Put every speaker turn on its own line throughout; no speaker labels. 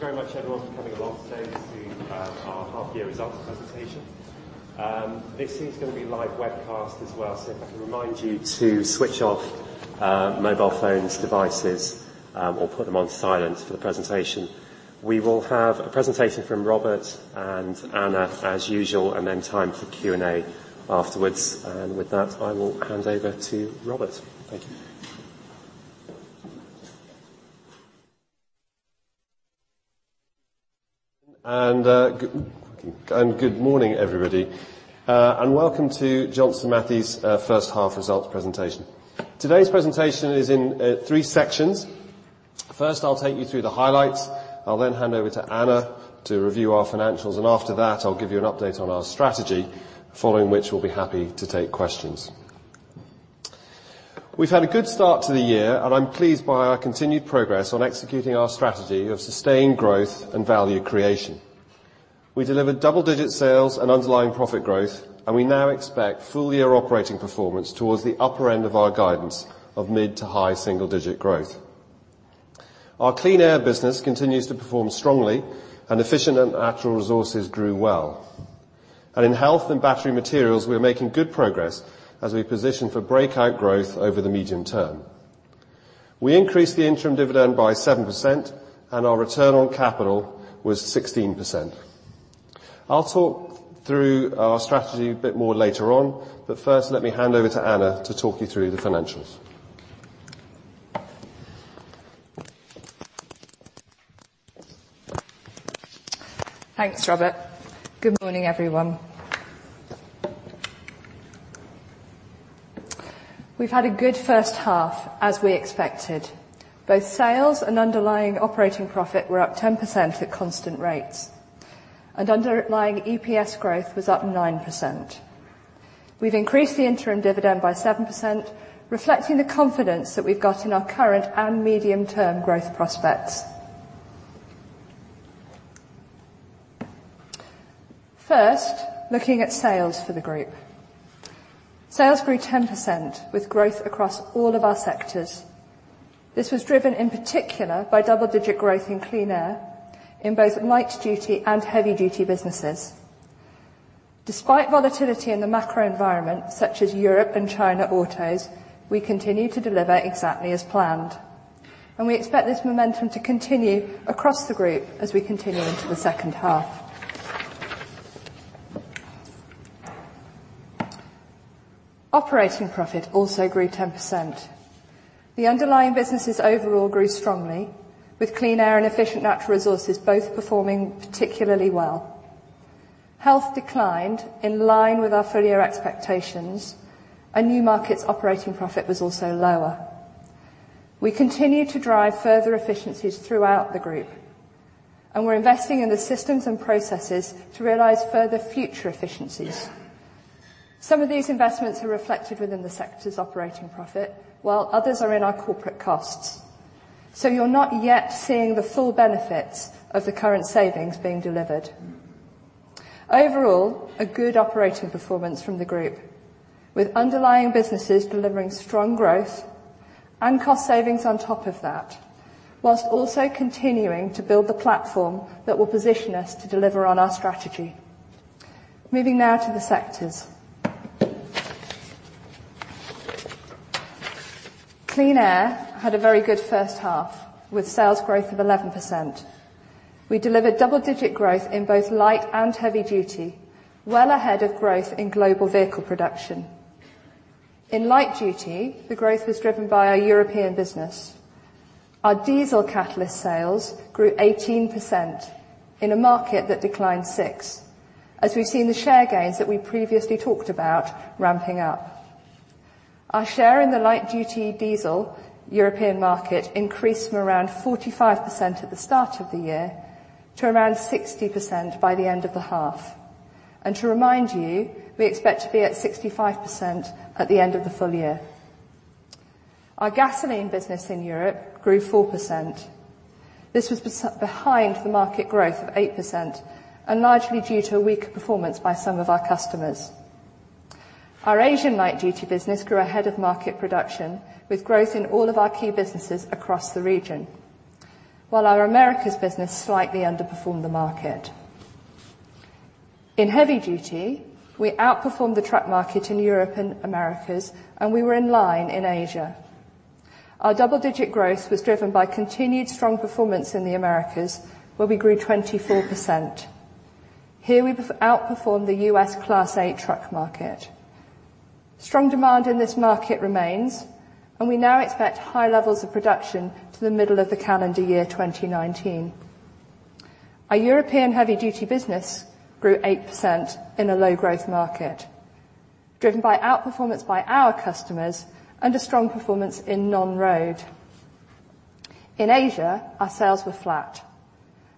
Thank you very much everyone for coming along today to our half year results presentation. This is going to be live webcast as well, so if I can remind you to switch off mobile phones, devices, or put them on silent for the presentation. We will have a presentation from Robert and Anna as usual, then time for Q&A afterwards. With that, I will hand over to Robert. Thank you.
Good morning everybody, welcome to Johnson Matthey's first half results presentation. Today's presentation is in three sections. First, I'll take you through the highlights. I'll then hand over to Anna to review our financials, after that I'll give you an update on our strategy, following which we'll be happy to take questions. We've had a good start to the year, I'm pleased by our continued progress on executing our strategy of sustained growth and value creation. We delivered double-digit sales and underlying profit growth, we now expect full-year operating performance towards the upper end of our guidance of mid-to-high single-digit growth. Our Clean Air business continues to perform strongly, Efficient Natural Resources grew well. In Health and Battery Materials, we are making good progress as we position for breakout growth over the medium term. We increased the interim dividend by 7%, our return on capital was 16%. I'll talk through our strategy a bit more later on, first let me hand over to Anna to talk you through the financials.
Thanks, Robert. Good morning, everyone. We've had a good first half as we expected. Both sales and underlying operating profit were up 10% at constant rates, underlying EPS growth was up 9%. We've increased the interim dividend by 7%, reflecting the confidence that we've got in our current and medium-term growth prospects. First, looking at sales for the group. Sales grew 10% with growth across all of our sectors. This was driven in particular by double-digit growth in Clean Air in both light-duty and heavy-duty businesses. Despite volatility in the macro environment such as Europe and China autos, we continue to deliver exactly as planned, we expect this momentum to continue across the group as we continue into the second half. Operating profit also grew 10%. The underlying businesses overall grew strongly with Clean Air and Efficient Natural Resources both performing particularly well. Health declined in line with our full-year expectations, and New Markets' operating profit was also lower. We continue to drive further efficiencies throughout the group, and we are investing in the systems and processes to realize further future efficiencies. Some of these investments are reflected within the sector's operating profit, while others are in our corporate costs. You are not yet seeing the full benefits of the current savings being delivered. Overall, a good operating performance from the group with underlying businesses delivering strong growth and cost savings on top of that, while also continuing to build the platform that will position us to deliver on our strategy. Moving now to the sectors. Clean Air had a very good first half with sales growth of 11%. We delivered double-digit growth in both light and heavy-duty, well ahead of growth in global vehicle production. In light duty, the growth was driven by our European business. Our diesel catalyst sales grew 18% in a market that declined 6% as we have seen the share gains that we previously talked about ramping up. Our share in the light duty diesel European market increased from around 45% at the start of the year to around 60% by the end of the half. To remind you, we expect to be at 65% at the end of the full year. Our gasoline business in Europe grew 4%. This was behind the market growth of 8% and largely due to a weaker performance by some of our customers. Our Asian light duty business grew ahead of market production with growth in all of our key businesses across the region. While our Americas business slightly underperformed the market. In heavy duty, we outperformed the truck market in Europe and Americas, and we were in line in Asia. Our double-digit growth was driven by continued strong performance in the Americas, where we grew 24%. Here we outperformed the U.S. Class 8 truck market. Strong demand in this market remains, and we now expect high levels of production to the middle of the calendar year 2019. Our European heavy-duty business grew 8% in a low-growth market, driven by outperformance by our customers and a strong performance in non-road. In Asia, our sales were flat.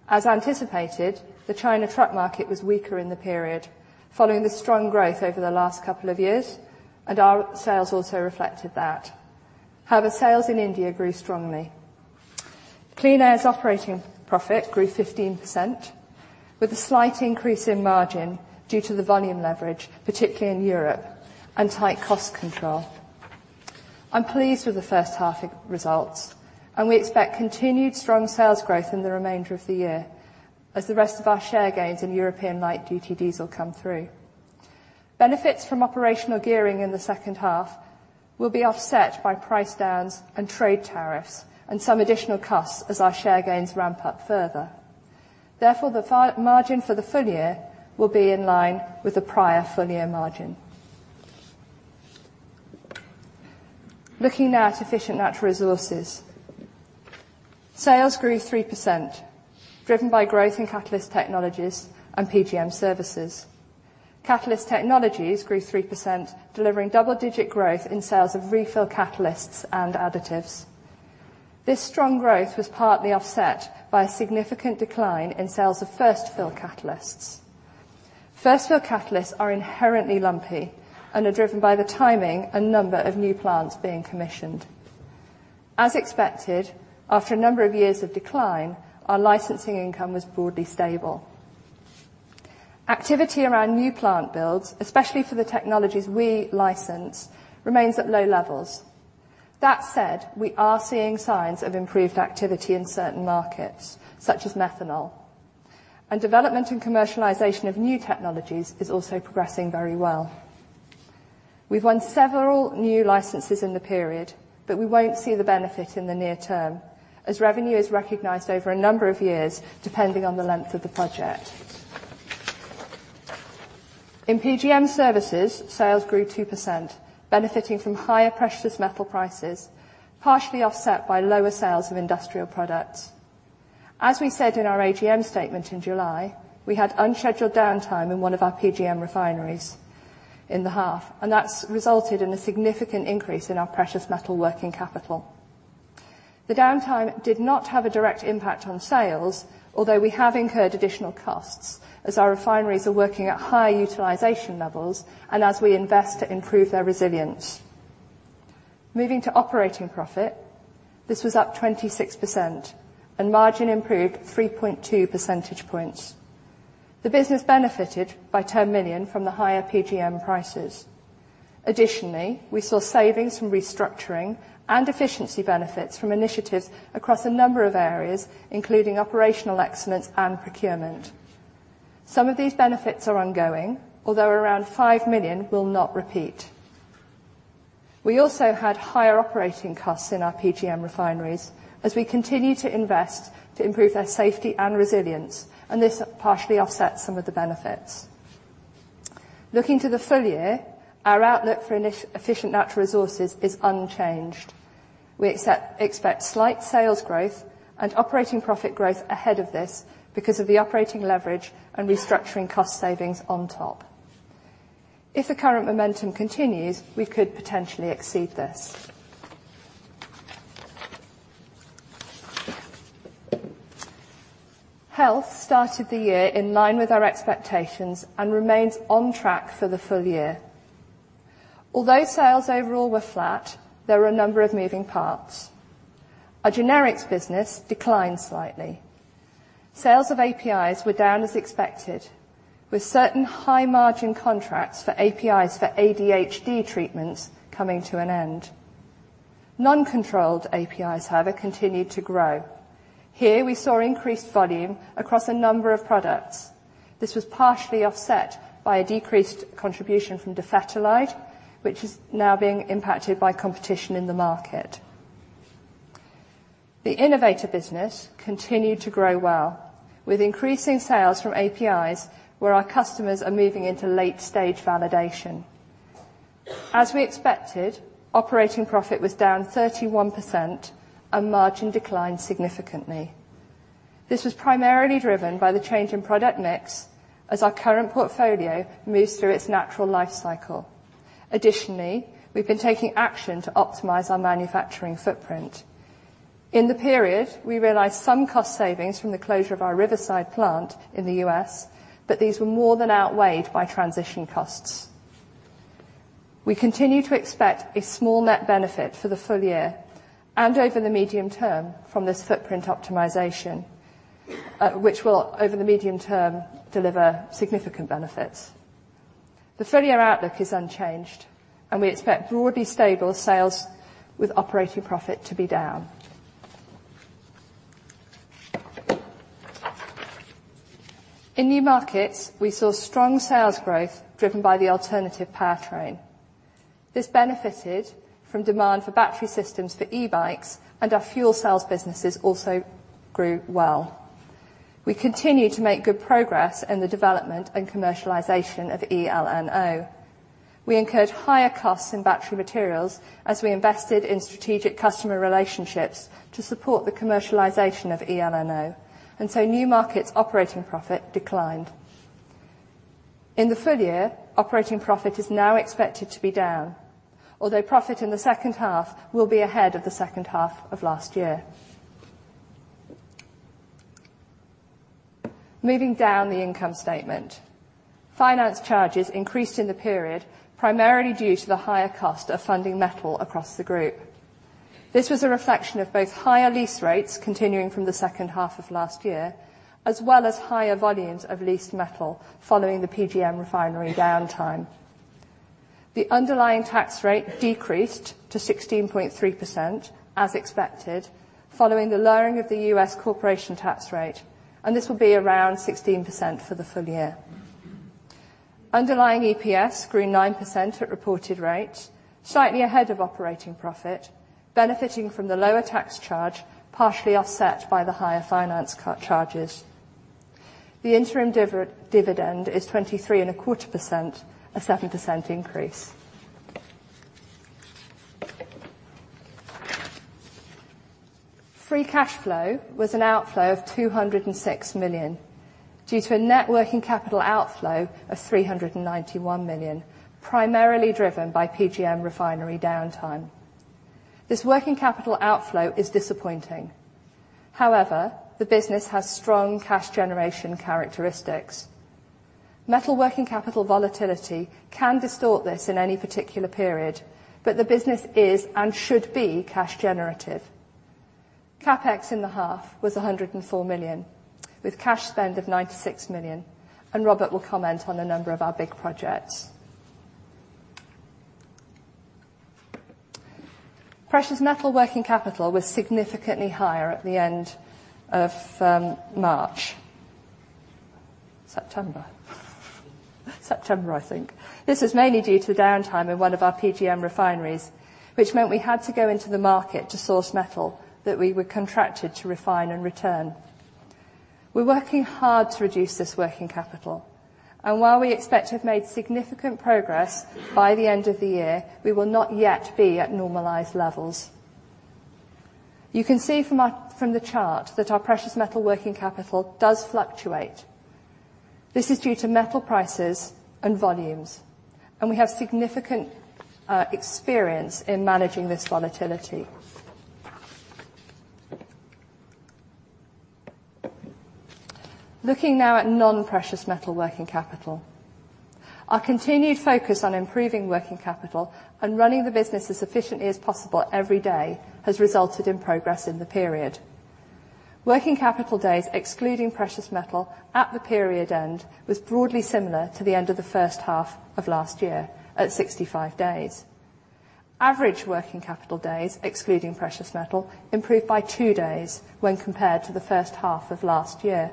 As anticipated, the China truck market was weaker in the period following the strong growth over the last couple of years, and our sales also reflected that. However, sales in India grew strongly. Clean Air's operating profit grew 15% with a slight increase in margin due to the volume leverage, particularly in Europe and tight cost control. I am pleased with the first half results, and we expect continued strong sales growth in the remainder of the year as the rest of our share gains in European light duty diesel come through. Benefits from operational gearing in the second half will be offset by price downs and trade tariffs, and some additional costs as our share gains ramp up further. Therefore, the margin for the full year will be in line with the prior full year margin. Looking now at Efficient Natural Resources. Sales grew 3%, driven by growth in Catalyst Technologies and PGM Services. Catalyst Technologies grew 3%, delivering double-digit growth in sales of refill catalysts and additives. This strong growth was partly offset by a significant decline in sales of first-fill catalysts. First-fill catalysts are inherently lumpy and are driven by the timing and number of new plants being commissioned. As expected, after a number of years of decline, our licensing income was broadly stable. Activity around new plant builds, especially for the technologies we license, remains at low levels. That said, we are seeing signs of improved activity in certain markets, such as methanol, and development and commercialization of new technologies is also progressing very well. We've won several new licenses in the period, but we won't see the benefit in the near term, as revenue is recognized over a number of years, depending on the length of the project. In PGM Services, sales grew 2%, benefiting from higher precious metal prices, partially offset by lower sales of industrial products. As we said in our AGM statement in July, we had unscheduled downtime in one of our PGM refineries in the half. That's resulted in a significant increase in our precious metal working capital. The downtime did not have a direct impact on sales, although we have incurred additional costs as our refineries are working at higher utilization levels and as we invest to improve their resilience. Moving to operating profit. This was up 26%, and margin improved 3.2 percentage points. The business benefited by $10 million from the higher PGM prices. Additionally, we saw savings from restructuring and efficiency benefits from initiatives across a number of areas, including operational excellence and procurement. Some of these benefits are ongoing, although around 5 million will not repeat. We also had higher operating costs in our PGM refineries as we continue to invest to improve their safety and resilience. This partially offsets some of the benefits. Looking to the full year, our outlook for Efficient Natural Resources is unchanged. We expect slight sales growth and operating profit growth ahead of this because of the operating leverage and restructuring cost savings on top. If the current momentum continues, we could potentially exceed this. Health started the year in line with our expectations and remains on track for the full year. Although sales overall were flat, there were a number of moving parts. Our generics business declined slightly. Sales of APIs were down as expected, with certain high-margin contracts for APIs for ADHD treatments coming to an end. Non-controlled APIs, however, continued to grow. Here, we saw increased volume across a number of products. This was partially offset by a decreased contribution from dofetilide, which is now being impacted by competition in the market. The innovator business continued to grow well with increasing sales from APIs where our customers are moving into late-stage validation. As we expected, operating profit was down 31% and margin declined significantly. This was primarily driven by the change in product mix as our current portfolio moves through its natural life cycle. Additionally, we've been taking action to optimize our manufacturing footprint. In the period, we realized some cost savings from the closure of our Riverside plant in the U.S. These were more than outweighed by transition costs. We continue to expect a small net benefit for the full year and over the medium term from this footprint optimization, which will, over the medium term, deliver significant benefits. The full-year outlook is unchanged. We expect broadly stable sales with operating profit to be down. In New Markets, we saw strong sales growth driven by the alternative powertrain. This benefited from demand for battery systems for e-bikes, and our fuel cells businesses also grew well. We continue to make good progress in the development and commercialization of eLNO. We incurred higher costs in battery materials as we invested in strategic customer relationships to support the commercialization of eLNO. New Markets operating profit declined. In the full year, operating profit is now expected to be down, although profit in the second half will be ahead of the second half of last year. Moving down the income statement. Finance charges increased in the period, primarily due to the higher cost of funding metal across the group. This was a reflection of both higher lease rates continuing from the second half of last year, as well as higher volumes of leased metal following the PGM refinery downtime. The underlying tax rate decreased to 16.3%, as expected, following the lowering of the U.S. corporation tax rate. This will be around 16% for the full year. Underlying EPS grew 9% at reported rate, slightly ahead of operating profit, benefiting from the lower tax charge, partially offset by the higher finance charges. The interim dividend is 23.25%, a 7% increase. Free cash flow was an outflow of 206 million due to a net working capital outflow of 391 million, primarily driven by PGM refinery downtime. This working capital outflow is disappointing. However, the business has strong cash generation characteristics. Metal working capital volatility can distort this in any particular period. The business is, and should be, cash generative. CapEx in the half was 104 million, with cash spend of 96 million. Robert will comment on a number of our big projects. Precious metal working capital was significantly higher at the end of March. September, I think. This is mainly due to downtime in one of our PGM refineries, which meant we had to go into the market to source metal that we were contracted to refine and return. While we expect to have made significant progress by the end of the year, we will not yet be at normalized levels. You can see from the chart that our precious metal working capital does fluctuate. This is due to metal prices and volumes. We have significant experience in managing this volatility. Looking now at non-precious metal working capital. Our continued focus on improving working capital and running the business as efficiently as possible every day has resulted in progress in the period. Working capital days, excluding precious metal, at the period end, was broadly similar to the end of the first half of last year, at 65 days. Average working capital days, excluding precious metal, improved by two days when compared to the first half of last year.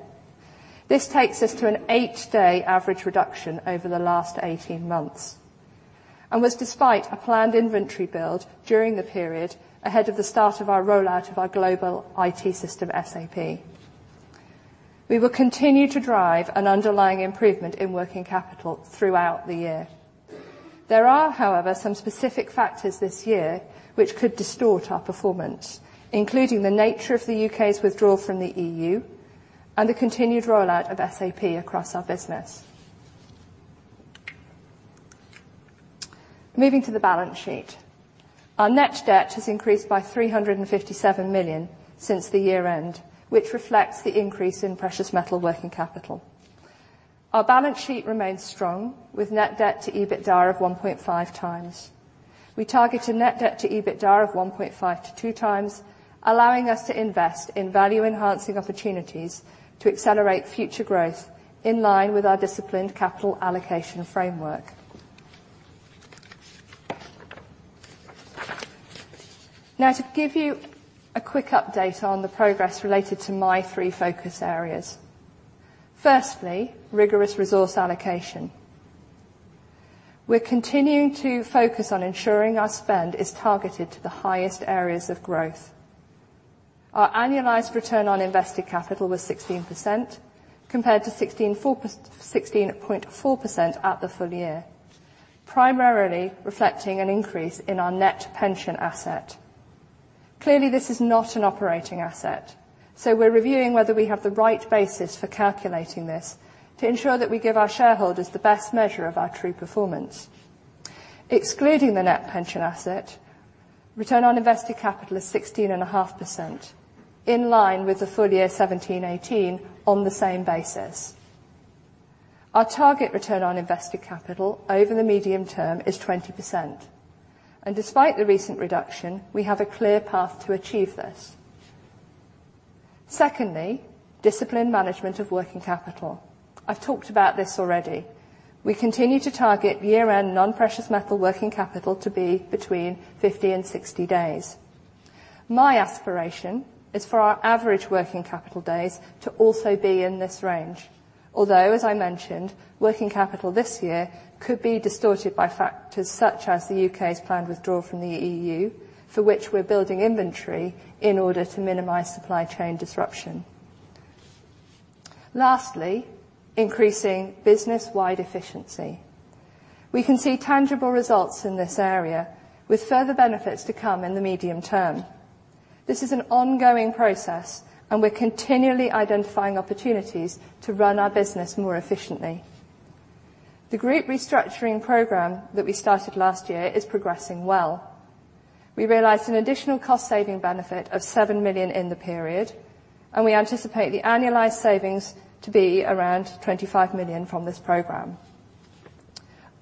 This takes us to an eight-day average reduction over the last 18 months. Despite a planned inventory build during the period ahead of the start of our rollout of our global IT system, SAP. We will continue to drive an underlying improvement in working capital throughout the year. There are, however, some specific factors this year which could distort our performance, including the nature of the U.K.'s withdrawal from the EU and the continued rollout of SAP across our business. Moving to the balance sheet. Our net debt has increased by 357 million since the year end, which reflects the increase in precious metal working capital. Our balance sheet remains strong, with net debt to EBITDA of 1.5 times. We target a net debt to EBITDA of 1.5 to 2 times, allowing us to invest in value-enhancing opportunities to accelerate future growth in line with our disciplined capital allocation framework. Now, to give you a quick update on the progress related to my three focus areas. Firstly, rigorous resource allocation. We're continuing to focus on ensuring our spend is targeted to the highest areas of growth. Our annualized return on invested capital was 16%, compared to 16.4% at the full year, primarily reflecting an increase in our net pension asset. Clearly, this is not an operating asset, so we're reviewing whether we have the right basis for calculating this to ensure that we give our shareholders the best measure of our true performance. Excluding the net pension asset, return on invested capital is 16.5%, in line with the full year '17/'18 on the same basis. Our target return on invested capital over the medium term is 20%, and despite the recent reduction, we have a clear path to achieve this. Secondly, disciplined management of working capital. I've talked about this already. We continue to target year-end non-precious metal working capital to be between 50 and 60 days. My aspiration is for our average working capital days to also be in this range. Although, as I mentioned, working capital this year could be distorted by factors such as the U.K.'s planned withdrawal from the EU, for which we're building inventory in order to minimize supply chain disruption. Lastly, increasing business-wide efficiency. We can see tangible results in this area with further benefits to come in the medium term. This is an ongoing process and we're continually identifying opportunities to run our business more efficiently. The group restructuring program that we started last year is progressing well. We realized an additional cost saving benefit of 7 million in the period and we anticipate the annualized savings to be around 25 million from this program.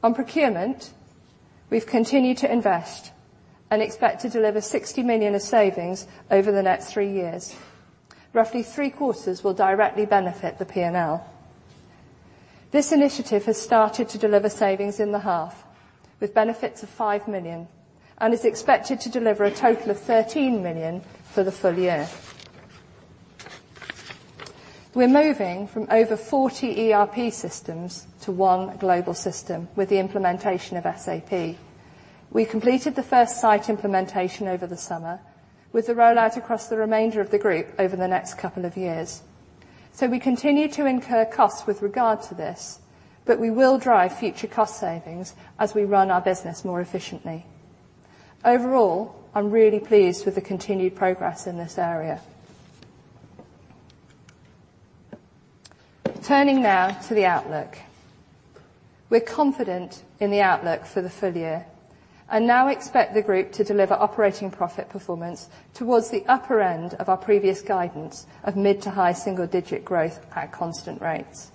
On procurement, we've continued to invest and expect to deliver 60 million of savings over the next three years. Roughly three-quarters will directly benefit the P&L. This initiative has started to deliver savings in the half, with benefits of 5 million, and is expected to deliver a total of 13 million for the full year. We're moving from over 40 ERP systems to one global system with the implementation of SAP. We completed the first site implementation over the summer, with the rollout across the remainder of the group over the next couple of years. We continue to incur costs with regard to this, but we will drive future cost savings as we run our business more efficiently. Overall, I'm really pleased with the continued progress in this area. Turning now to the outlook. We're confident in the outlook for the full year and now expect the group to deliver operating profit performance towards the upper end of our previous guidance of mid-to-high single-digit growth at constant rates.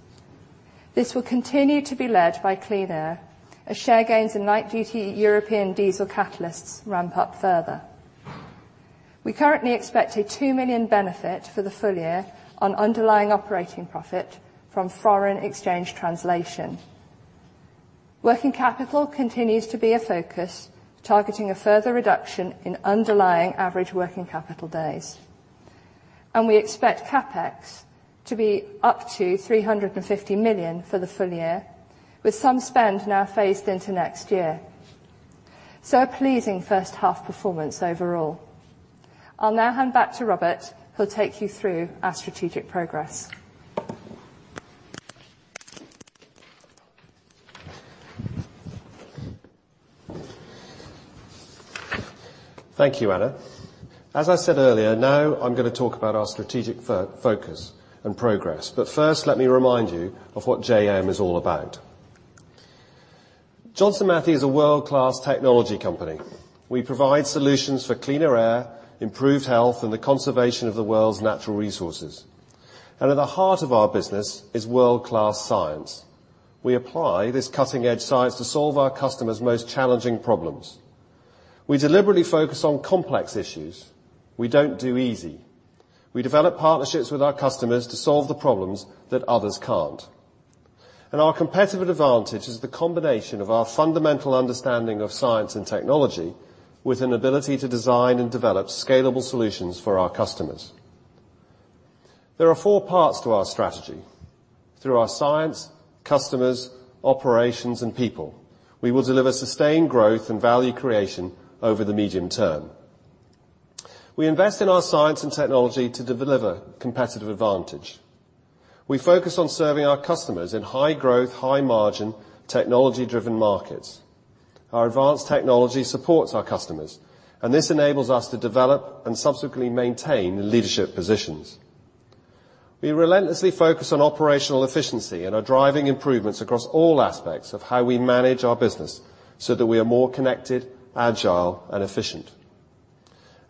This will continue to be led by Clean Air as share gains in light duty European diesel catalysts ramp up further. We currently expect a 2 million benefit for the full year on underlying operating profit from foreign exchange translation. Working capital continues to be a focus, targeting a further reduction in underlying average working capital days. We expect CapEx to be up to 350 million for the full year, with some spend now phased into next year. A pleasing first half performance overall. I will now hand back to Robert, who will take you through our strategic progress.
Thank you, Anna. As I said earlier, I'm going to talk about our strategic focus and progress. First, let me remind you of what JM is all about. Johnson Matthey is a world-class technology company. We provide solutions for cleaner air, improved health, and the conservation of the world's natural resources. At the heart of our business is world-class science. We apply this cutting-edge science to solve our customers' most challenging problems. We deliberately focus on complex issues. We don't do easy. We develop partnerships with our customers to solve the problems that others can't. Our competitive advantage is the combination of our fundamental understanding of science and technology with an ability to design and develop scalable solutions for our customers. There are four parts to our strategy. Through our science, customers, operations, and people, we will deliver sustained growth and value creation over the medium term. We invest in our science and technology to deliver competitive advantage. We focus on serving our customers in high growth, high margin, technology-driven markets. Our advanced technology supports our customers, and this enables us to develop and subsequently maintain leadership positions. We relentlessly focus on operational efficiency and are driving improvements across all aspects of how we manage our business so that we are more connected, agile, and efficient.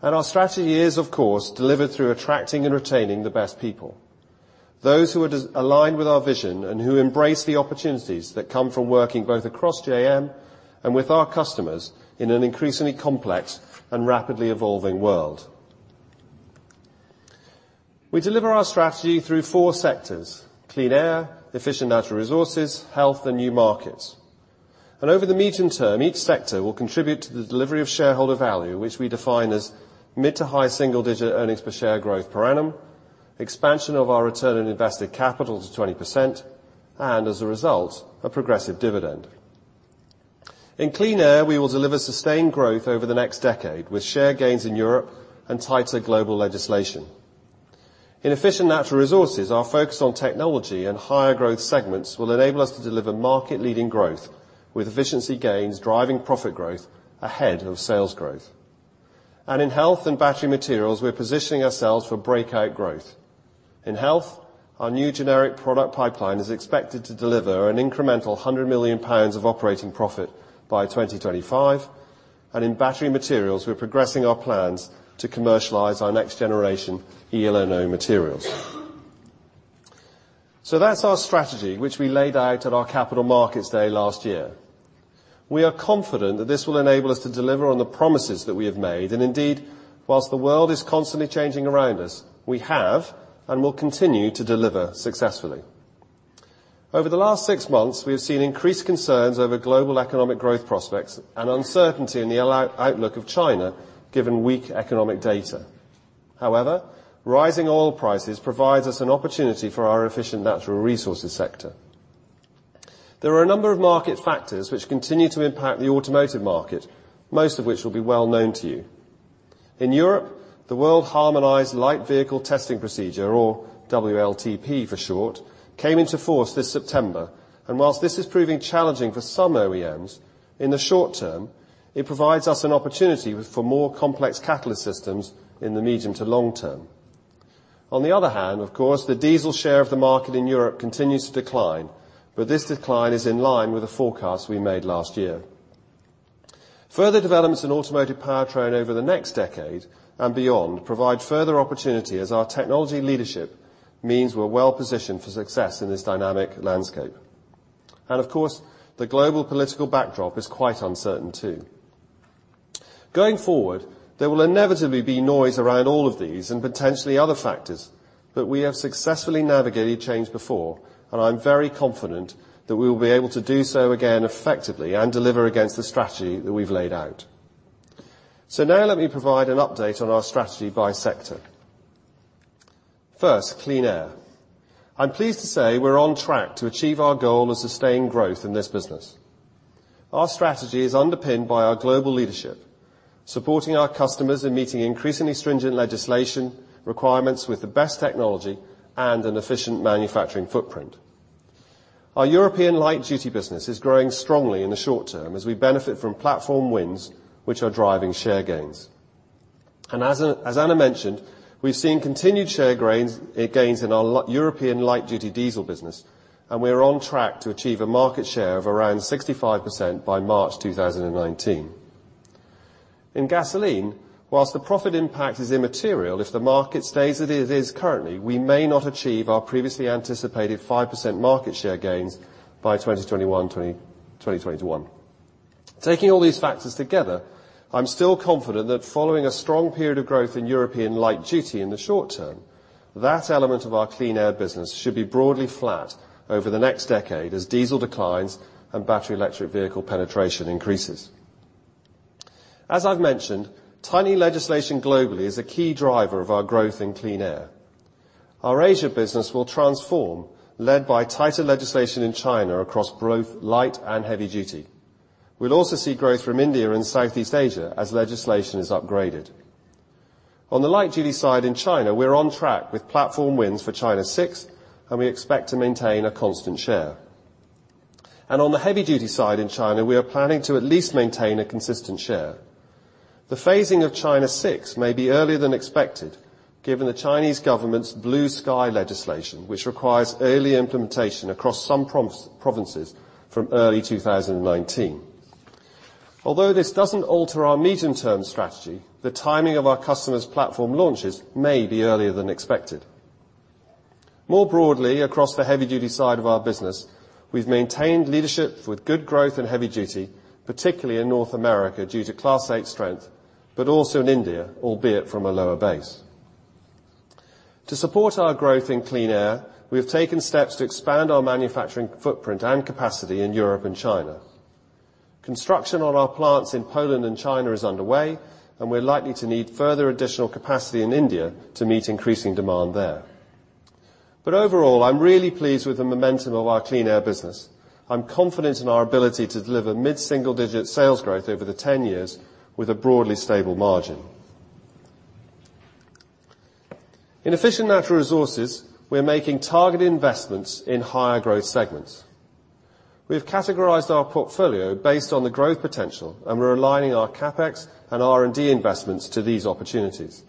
Our strategy is, of course, delivered through attracting and retaining the best people, those who are aligned with our vision and who embrace the opportunities that come from working both across JM and with our customers in an increasingly complex and rapidly evolving world. We deliver our strategy through four sectors, Clean Air, Efficient Natural Resources, Health, and New Markets. Over the medium term, each sector will contribute to the delivery of shareholder value, which we define as mid- to high single-digit earnings per share growth per annum, expansion of our return on invested capital to 20%, as a result, a progressive dividend. In Clean Air, we will deliver sustained growth over the next decade with share gains in Europe and tighter global legislation. In Efficient Natural Resources, our focus on technology and higher growth segments will enable us to deliver market-leading growth with efficiency gains driving profit growth ahead of sales growth. In Health and Battery Materials, we're positioning ourselves for breakout growth. In Health, our new generic product pipeline is expected to deliver an incremental 100 million pounds of operating profit by 2025. In Battery Materials, we're progressing our plans to commercialize our next generation eLNO materials. That's our strategy, which we laid out at our Capital Markets Day last year. We are confident that this will enable us to deliver on the promises that we have made. Indeed, whilst the world is constantly changing around us, we have and will continue to deliver successfully. Over the last six months, we have seen increased concerns over global economic growth prospects and uncertainty in the outlook of China, given weak economic data. However, rising oil prices provides us an opportunity for our Efficient Natural Resources sector. There are a number of market factors which continue to impact the automotive market, most of which will be well known to you. In Europe, the Worldwide Harmonised Light Vehicle Test Procedure, or WLTP for short, came into force this September. Whilst this is proving challenging for some OEMs, in the short term, it provides us an opportunity for more complex catalyst systems in the medium to long term. On the other hand, of course, the diesel share of the market in Europe continues to decline. This decline is in line with the forecast we made last year. Further developments in automotive powertrain over the next decade and beyond provide further opportunity as our technology leadership means we're well-positioned for success in this dynamic landscape. Of course, the global political backdrop is quite uncertain too. Going forward, there will inevitably be noise around all of these and potentially other factors. We have successfully navigated change before. I'm very confident that we will be able to do so again effectively and deliver against the strategy that we've laid out. Now let me provide an update on our strategy by sector. First, Clean Air. I'm pleased to say we're on track to achieve our goal of sustaining growth in this business. Our strategy is underpinned by our global leadership, supporting our customers in meeting increasingly stringent legislation requirements with the best technology and an efficient manufacturing footprint. Our European light-duty business is growing strongly in the short term as we benefit from platform wins, which are driving share gains. As Anna mentioned, we've seen continued share gains in our European light-duty diesel business, and we are on track to achieve a market share of around 65% by March 2019. In gasoline, whilst the profit impact is immaterial if the market stays as it is currently, we may not achieve our previously anticipated 5% market share gains by 2021. Taking all these factors together, I'm still confident that following a strong period of growth in European light-duty in the short term, that element of our Clean Air business should be broadly flat over the next decade as diesel declines and battery electric vehicle penetration increases. As I've mentioned, tightening legislation globally is a key driver of our growth in Clean Air. Our Asia business will transform, led by tighter legislation in China across both light-duty and heavy-duty. We'll also see growth from India and Southeast Asia as legislation is upgraded. On the light-duty side in China, we're on track with platform wins for China 6. We expect to maintain a constant share. On the heavy-duty side in China, we are planning to at least maintain a consistent share. The phasing of China 6 may be earlier than expected given the Chinese government's Blue Sky Initiative, which requires early implementation across some provinces from early 2019. Although this doesn't alter our medium-term strategy, the timing of our customers' platform launches may be earlier than expected. More broadly, across the heavy-duty side of our business, we've maintained leadership with good growth in heavy-duty, particularly in North America due to Class 8 strength, but also in India, albeit from a lower base. To support our growth in Clean Air, we have taken steps to expand our manufacturing footprint and capacity in Europe and China. Construction on our plants in Poland and China is underway, and we're likely to need further additional capacity in India to meet increasing demand there. But overall, I'm really pleased with the momentum of our Clean Air business. I'm confident in our ability to deliver mid-single-digit sales growth over the 10 years with a broadly stable margin. In Efficient Natural Resources, we're making targeted investments in higher growth segments. We've categorized our portfolio based on the growth potential, and we're aligning our CapEx and R&D investments to these opportunities.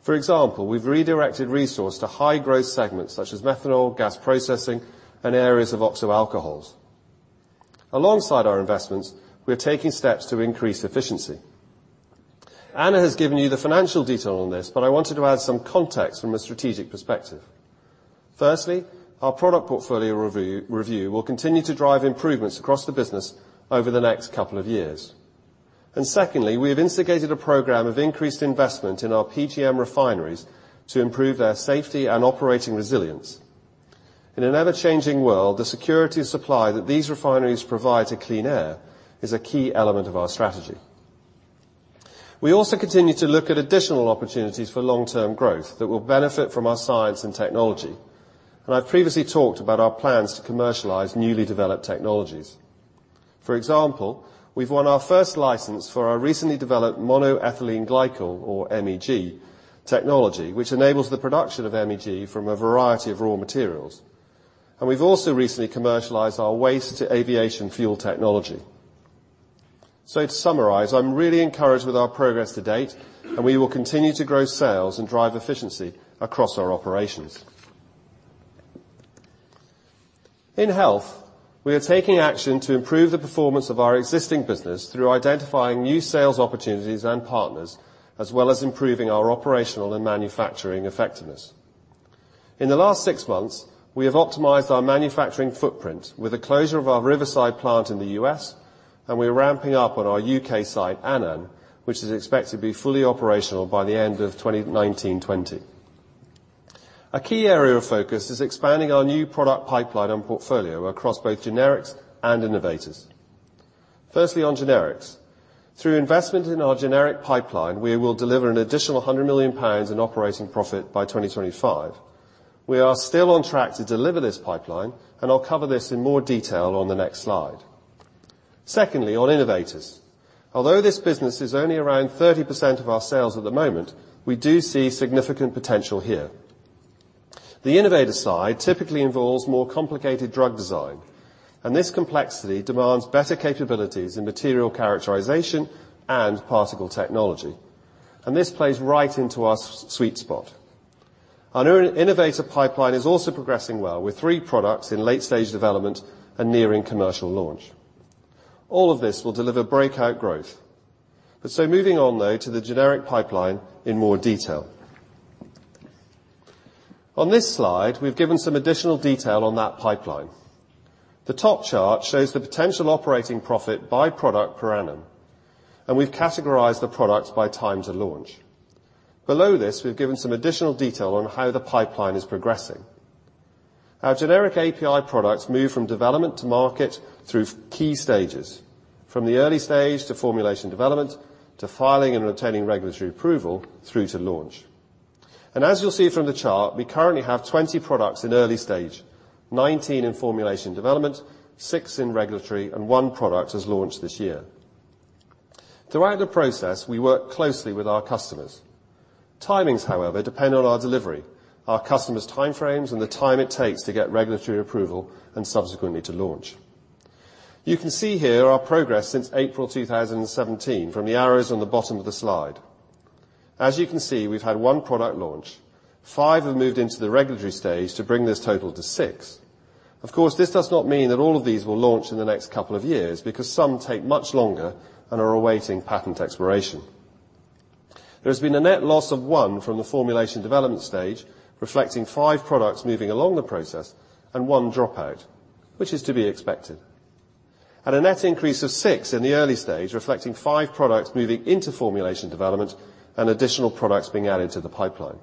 For example, we've redirected resource to high-growth segments such as methanol, gas processing, and areas of oxo alcohols. Alongside our investments, we are taking steps to increase efficiency. Anna has given you the financial detail on this, but I wanted to add some context from a strategic perspective. Firstly, our product portfolio review will continue to drive improvements across the business over the next couple of years. Secondly, we have instigated a program of increased investment in our PGM refineries to improve their safety and operating resilience. In an ever-changing world, the security of supply that these refineries provide to Clean Air is a key element of our strategy. We also continue to look at additional opportunities for long-term growth that will benefit from our science and technology, and I previously talked about our plans to commercialize newly developed technologies. For example, we've won our first license for our recently developed monoethylene glycol, or MEG, technology, which enables the production of MEG from a variety of raw materials. We've also recently commercialized our waste to aviation fuel technology. To summarize, I'm really encouraged with our progress to date, and we will continue to grow sales and drive efficiency across our operations. In Health, we are taking action to improve the performance of our existing business through identifying new sales opportunities and partners, as well as improving our operational and manufacturing effectiveness. In the last six months, we have optimized our manufacturing footprint with the closure of our Riverside plant in the U.S., and we are ramping up on our U.K. site, Annan, which is expected to be fully operational by the end of 2019-2020. A key area of focus is expanding our new product pipeline and portfolio across both generics and innovators. Firstly, on generics. Through investment in our generic pipeline, we will deliver an additional 100 million pounds in operating profit by 2025. We are still on track to deliver this pipeline, and I'll cover this in more detail on the next slide. Secondly, on innovators. Although this business is only around 30% of our sales at the moment, we do see significant potential here. The innovator side typically involves more complicated drug design, and this complexity demands better capabilities in material characterization and particle technology. This plays right into our sweet spot. Our innovative pipeline is also progressing well, with three products in late-stage development and nearing commercial launch. All of this will deliver breakout growth. Moving on, though, to the generic pipeline in more detail. On this slide, we've given some additional detail on that pipeline. The top chart shows the potential operating profit by product per annum, and we've categorized the products by time to launch. Below this, we've given some additional detail on how the pipeline is progressing. Our generic API products move from development to market through key stages, from the early stage to formulation development, to filing and obtaining regulatory approval, through to launch. As you'll see from the chart, we currently have 20 products in early stage, 19 in formulation development, six in regulatory, and one product has launched this year. Throughout the process, we work closely with our customers. Timings, however, depend on our delivery, our customers' time frames, and the time it takes to get regulatory approval and subsequently to launch. You can see here our progress since April 2017 from the arrows on the bottom of the slide. As you can see, we've had one product launch. Five have moved into the regulatory stage to bring this total to six. Of course, this does not mean that all of these will launch in the next couple of years because some take much longer and are awaiting patent expiration. There has been a net loss of one from the formulation development stage, reflecting five products moving along the process and one dropout, which is to be expected, and a net increase of 6 in the early stage, reflecting five products moving into formulation development and additional products being added to the pipeline.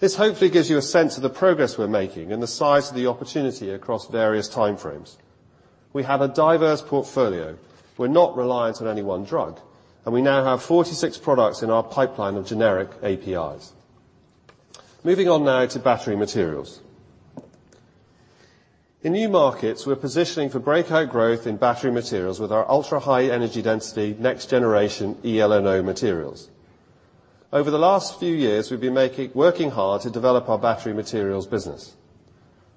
This hopefully gives you a sense of the progress we're making and the size of the opportunity across various time frames. We have a diverse portfolio. We're not reliant on any one drug, and we now have 46 products in our pipeline of generic APIs. Moving on now to battery materials. In New Markets, we're positioning for breakout growth in battery materials with our ultra-high energy density, next-generation eLNO materials. Over the last few years, we've been working hard to develop our battery materials business.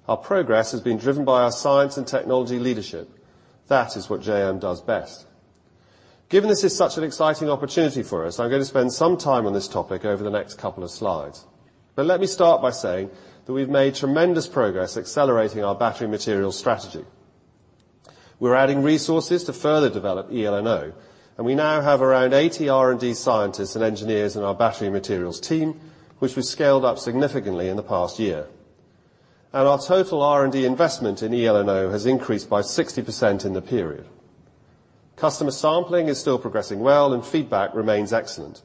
Our progress has been driven by our science and technology leadership. That is what JM does best. Given this is such an exciting opportunity for us, I'm going to spend some time on this topic over the next couple of slides. Let me start by saying that we've made tremendous progress accelerating our battery materials strategy. We're adding resources to further develop eLNO, and we now have around 80 R&D scientists and engineers in our battery materials team, which we've scaled up significantly in the past year. Our total R&D investment in eLNO has increased by 60% in the period. Customer sampling is still progressing well and feedback remains excellent,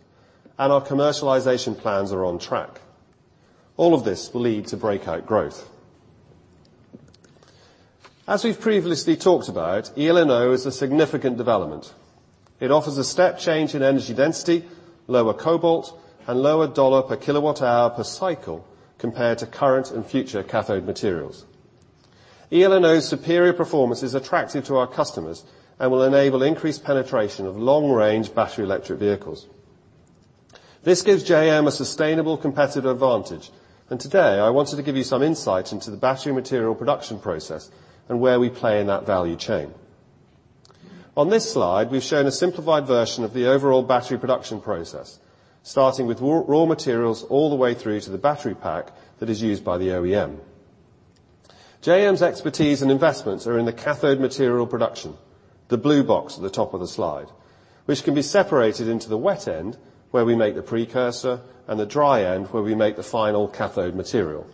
and our commercialization plans are on track. All of this will lead to breakout growth. As we've previously talked about, eLNO is a significant development. It offers a step change in energy density, lower cobalt, and lower dollar per kilowatt-hour per cycle compared to current and future cathode materials. eLNO's superior performance is attractive to our customers and will enable increased penetration of long-range battery electric vehicles. This gives JM a sustainable competitive advantage, and today I wanted to give you some insight into the battery material production process and where we play in that value chain. On this slide, we've shown a simplified version of the overall battery production process, starting with raw materials all the way through to the battery pack that is used by the OEM. JM's expertise and investments are in the cathode material production, the blue box at the top of the slide, which can be separated into the wet end, where we make the precursor, and the dry end, where we make the final cathode material.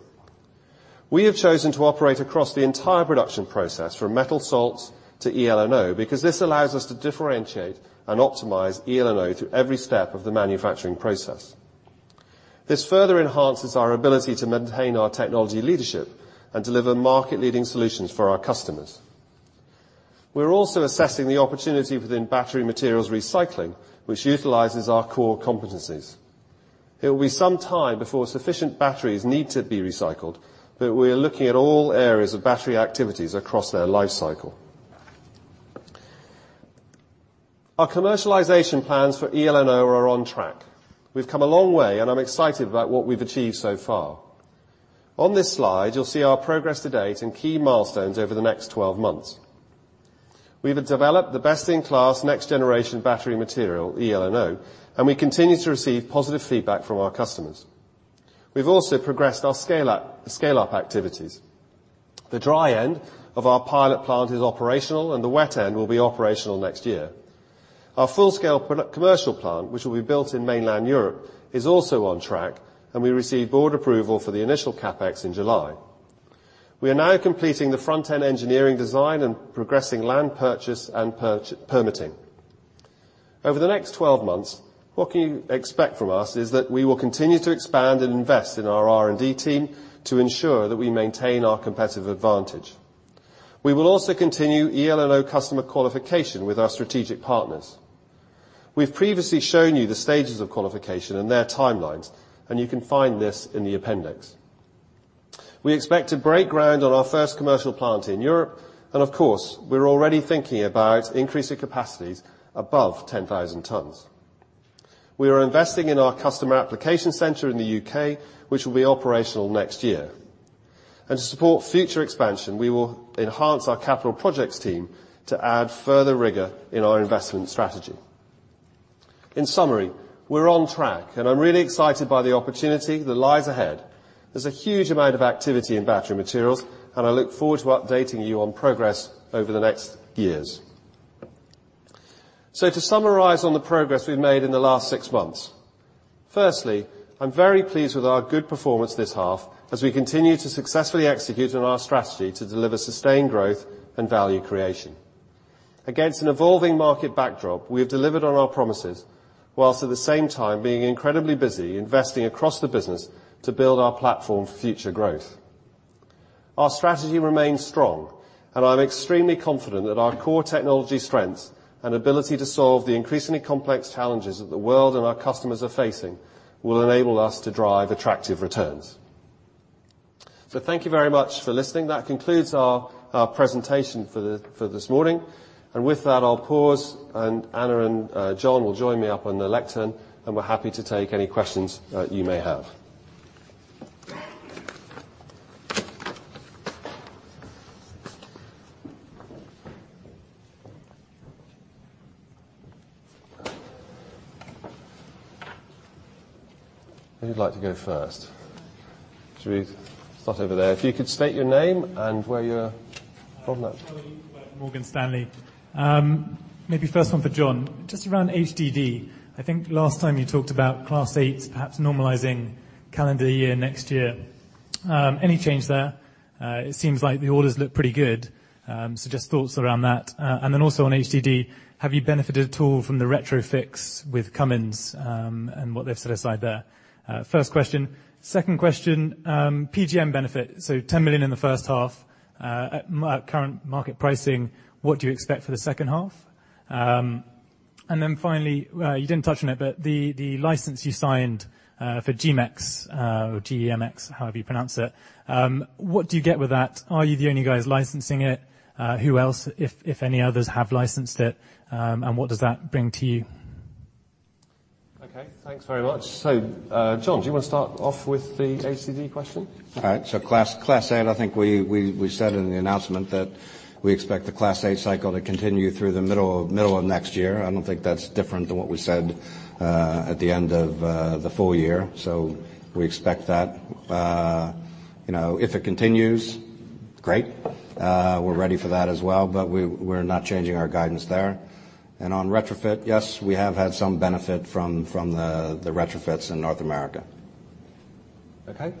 We have chosen to operate across the entire production process, from metal salts to eLNO, because this allows us to differentiate and optimize eLNO through every step of the manufacturing process. This further enhances our ability to maintain our technology leadership and deliver market-leading solutions for our customers. We're also assessing the opportunity within battery materials recycling, which utilizes our core competencies. It will be some time before sufficient batteries need to be recycled, but we are looking at all areas of battery activities across their life cycle. Our commercialization plans for eLNO are on track. We've come a long way, and I'm excited about what we've achieved so far. On this slide, you'll see our progress to date and key milestones over the next 12 months. We've developed the best-in-class next-generation battery material, eLNO, and we continue to receive positive feedback from our customers. We've also progressed our scale-up activities. The dry end of our pilot plant is operational, and the wet end will be operational next year. Our full-scale commercial plant, which will be built in mainland Europe, is also on track, and we received board approval for the initial CapEx in July. We are now completing the front-end engineering design and progressing land purchase and permitting. Over the next 12 months, what you can expect from us is that we will continue to expand and invest in our R&D team to ensure that we maintain our competitive advantage. We will also continue eLNO customer qualification with our strategic partners. We've previously shown you the stages of qualification and their timelines, and you can find this in the appendix. We expect to break ground on our first commercial plant in Europe. Of course, we're already thinking about increasing capacities above 10,000 tons. We are investing in our customer application center in the U.K., which will be operational next year. To support future expansion, we will enhance our capital projects team to add further rigor in our investment strategy. In summary, we're on track, and I'm really excited by the opportunity that lies ahead. There's a huge amount of activity in battery materials, and I look forward to updating you on progress over the next years. To summarize on the progress we've made in the last six months. Firstly, I'm very pleased with our good performance this half as we continue to successfully execute on our strategy to deliver sustained growth and value creation. Against an evolving market backdrop, we have delivered on our promises, whilst at the same time being incredibly busy investing across the business to build our platform for future growth. Our strategy remains strong, I'm extremely confident that our core technology strengths and ability to solve the increasingly complex challenges that the world and our customers are facing will enable us to drive attractive returns. Thank you very much for listening. That concludes our presentation for this morning. With that, I'll pause and Anna and John will join me up on the lectern, and we're happy to take any questions that you may have. Who'd like to go first? Should we start over there? If you could state your name and where you're from.
Charles Webb at Morgan Stanley. Maybe first one for John, just around HDD. I think last time you talked about Class 8 perhaps normalizing calendar year next year. Any change there? It seems like the orders look pretty good. Just thoughts around that. Then also on HDD, have you benefited at all from the retro fix with Cummins, and what they've set aside there? First question. Second question, PGM benefit, $10 million in the first half. At current market pricing, what do you expect for the second half? Then finally, you didn't touch on it, but the license you signed, for GEMX, or G-E-M-X, however you pronounce it, what do you get with that? Are you the only guys licensing it? Who else, if any others have licensed it? And what does that bring to you?
Okay, thanks very much. John, do you want to start off with the HDD question?
All right. Class 8, I think we said in the announcement that we expect the Class 8 cycle to continue through the middle of next year. I don't think that's different than what we said at the end of the full year. We expect that. If it continues, great. We're ready for that as well, but we're not changing our guidance there. On retrofit, yes, we have had some benefit from the retrofits in North America.
Okay.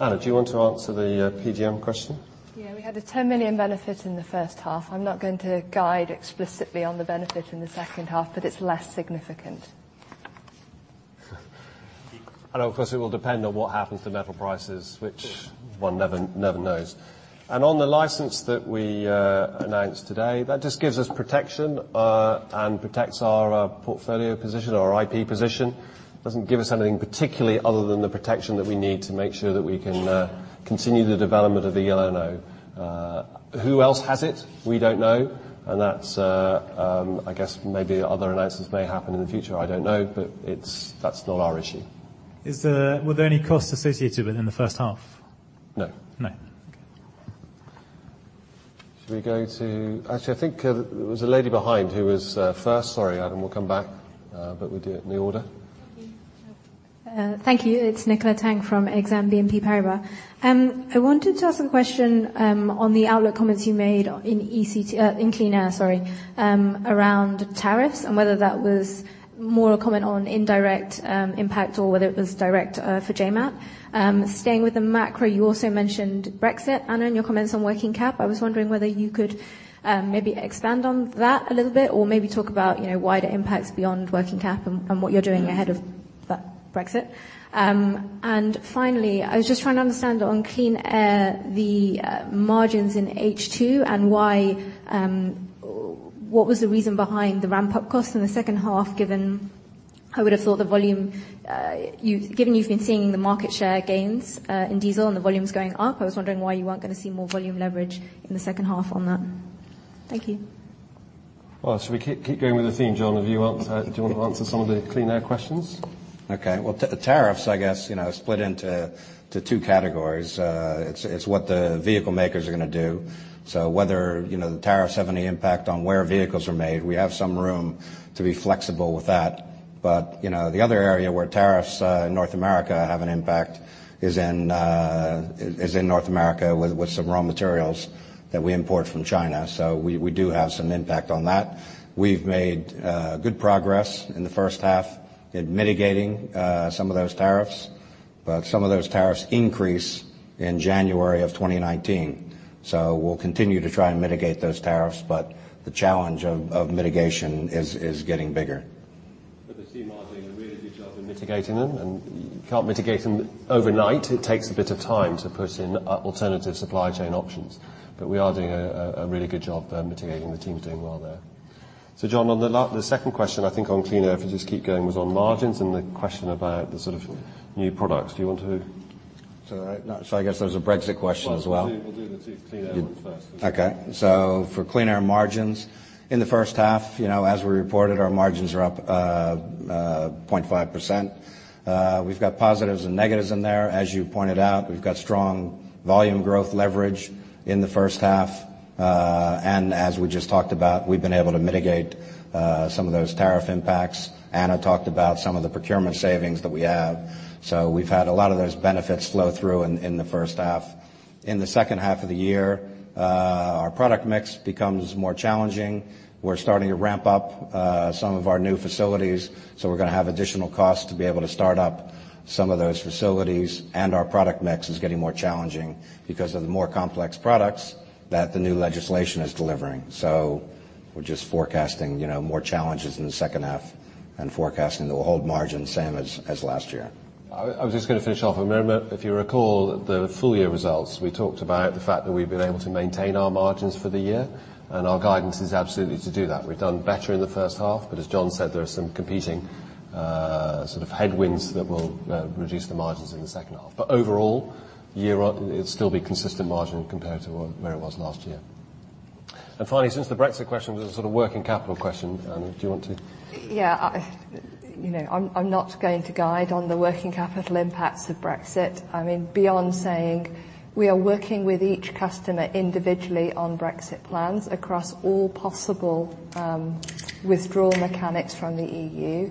Anna, do you want to answer the PGM question?
Yeah, we had a $10 million benefit in the first half. I'm not going to guide explicitly on the benefit in the second half, it's less significant.
Of course, it will depend on what happens to metal prices, which one never knows. On the license that we announced today, that just gives us protection, protects our portfolio position, our IP position. Doesn't give us anything particularly other than the protection that we need to make sure that we can continue the development of the eLNO. Who else has it? We don't know. That's, I guess maybe other announcements may happen in the future. I don't know, that's not our issue.
Were there any costs associated with it in the first half?
No.
No. Okay.
Should we go to Actually, I think there was a lady behind who was first. Sorry, Adam. We'll come back, but we'll do it in the order.
Thank you. It's Nicola Tang from Exane BNP Paribas. I wanted to ask a question on the outlook comments you made in Clean Air around tariffs, and whether that was more a comment on indirect impact or whether it was direct for JMAT. Staying with the macro, you also mentioned Brexit, Anna, in your comments on working cap. I was wondering whether you could maybe expand on that a little bit or maybe talk about wider impacts beyond working cap and what you're doing ahead of that Brexit. Finally, I was just trying to understand on Clean Air, the margins in H2 and what was the reason behind the ramp-up costs in the second half, given you've been seeing the market share gains, in diesel and the volumes going up. I was wondering why you weren't going to see more volume leverage in the second half on that. Thank you.
Should we keep going with the theme, John? Do you want to answer some of the Clean Air questions?
Okay. Tariffs, I guess, split into two categories. It's what the vehicle makers are going to do. Whether the tariffs have any impact on where vehicles are made, we have some room to be flexible with that. The other area where tariffs in North America have an impact is in North America with some raw materials that we import from China. We do have some impact on that. We've made good progress in the first half in mitigating some of those tariffs, but some of those tariffs increase in January of 2019. We'll continue to try and mitigate those tariffs, but the challenge of mitigation is getting bigger.
The team are doing a really good job in mitigating them, and you can't mitigate them overnight. It takes a bit of time to put in alternative supply chain options. We are doing a really good job mitigating. The team's doing well there. John, on the second question, I think on Clean Air, if you just keep going, was on margins and the question about the sort of new products. Do you want to-
I guess there was a Brexit question as well.
We'll do the two Clean Air ones first.
Okay. For Clean Air margins, in the first half, as we reported, our margins are up 0.5%. We've got positives and negatives in there. As you pointed out, we've got strong volume growth leverage in the first half. As we just talked about, we've been able to mitigate some of those tariff impacts. Anna talked about some of the procurement savings that we have. We've had a lot of those benefits flow through in the first half. In the second half of the year, our product mix becomes more challenging. We're starting to ramp up some of our new facilities, so we're going to have additional costs to be able to start up some of those facilities. Our product mix is getting more challenging because of the more complex products that the new legislation is delivering. We're just forecasting more challenges in the second half and forecasting that we'll hold margins same as last year.
I was just going to finish off. If you recall the full year results, we talked about the fact that we have been able to maintain our margins for the year. Our guidance is absolutely to do that. We have done better in the first half. As John said, there are some competing sort of headwinds that will reduce the margins in the second half. Overall, it will still be consistent margin compared to where it was last year. Finally, since the Brexit question was a sort of working capital question, Anna, do you want to?
Yeah. I am not going to guide on the working capital impacts of Brexit. Beyond saying we are working with each customer individually on Brexit plans across all possible withdrawal mechanics from the EU.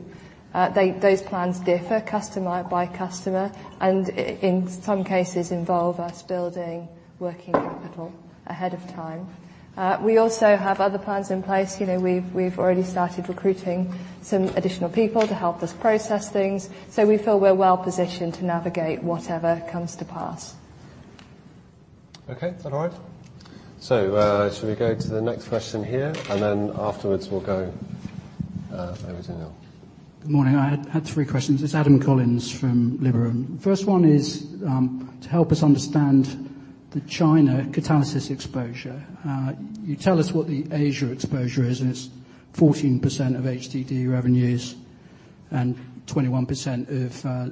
Those plans differ customer by customer, and in some cases involve us building working capital ahead of time. We also have other plans in place. We have already started recruiting some additional people to help us process things. We feel we are well positioned to navigate whatever comes to pass.
Okay. Is that all right? Should we go to the next question here? Afterwards we will go over to Neil.
Good morning. I had three questions. It is Adam Collins from Liberum. The first one is to help us understand the China catalysis exposure. You tell us what the Asia exposure is, and it is 14% of HDD revenues and 21% of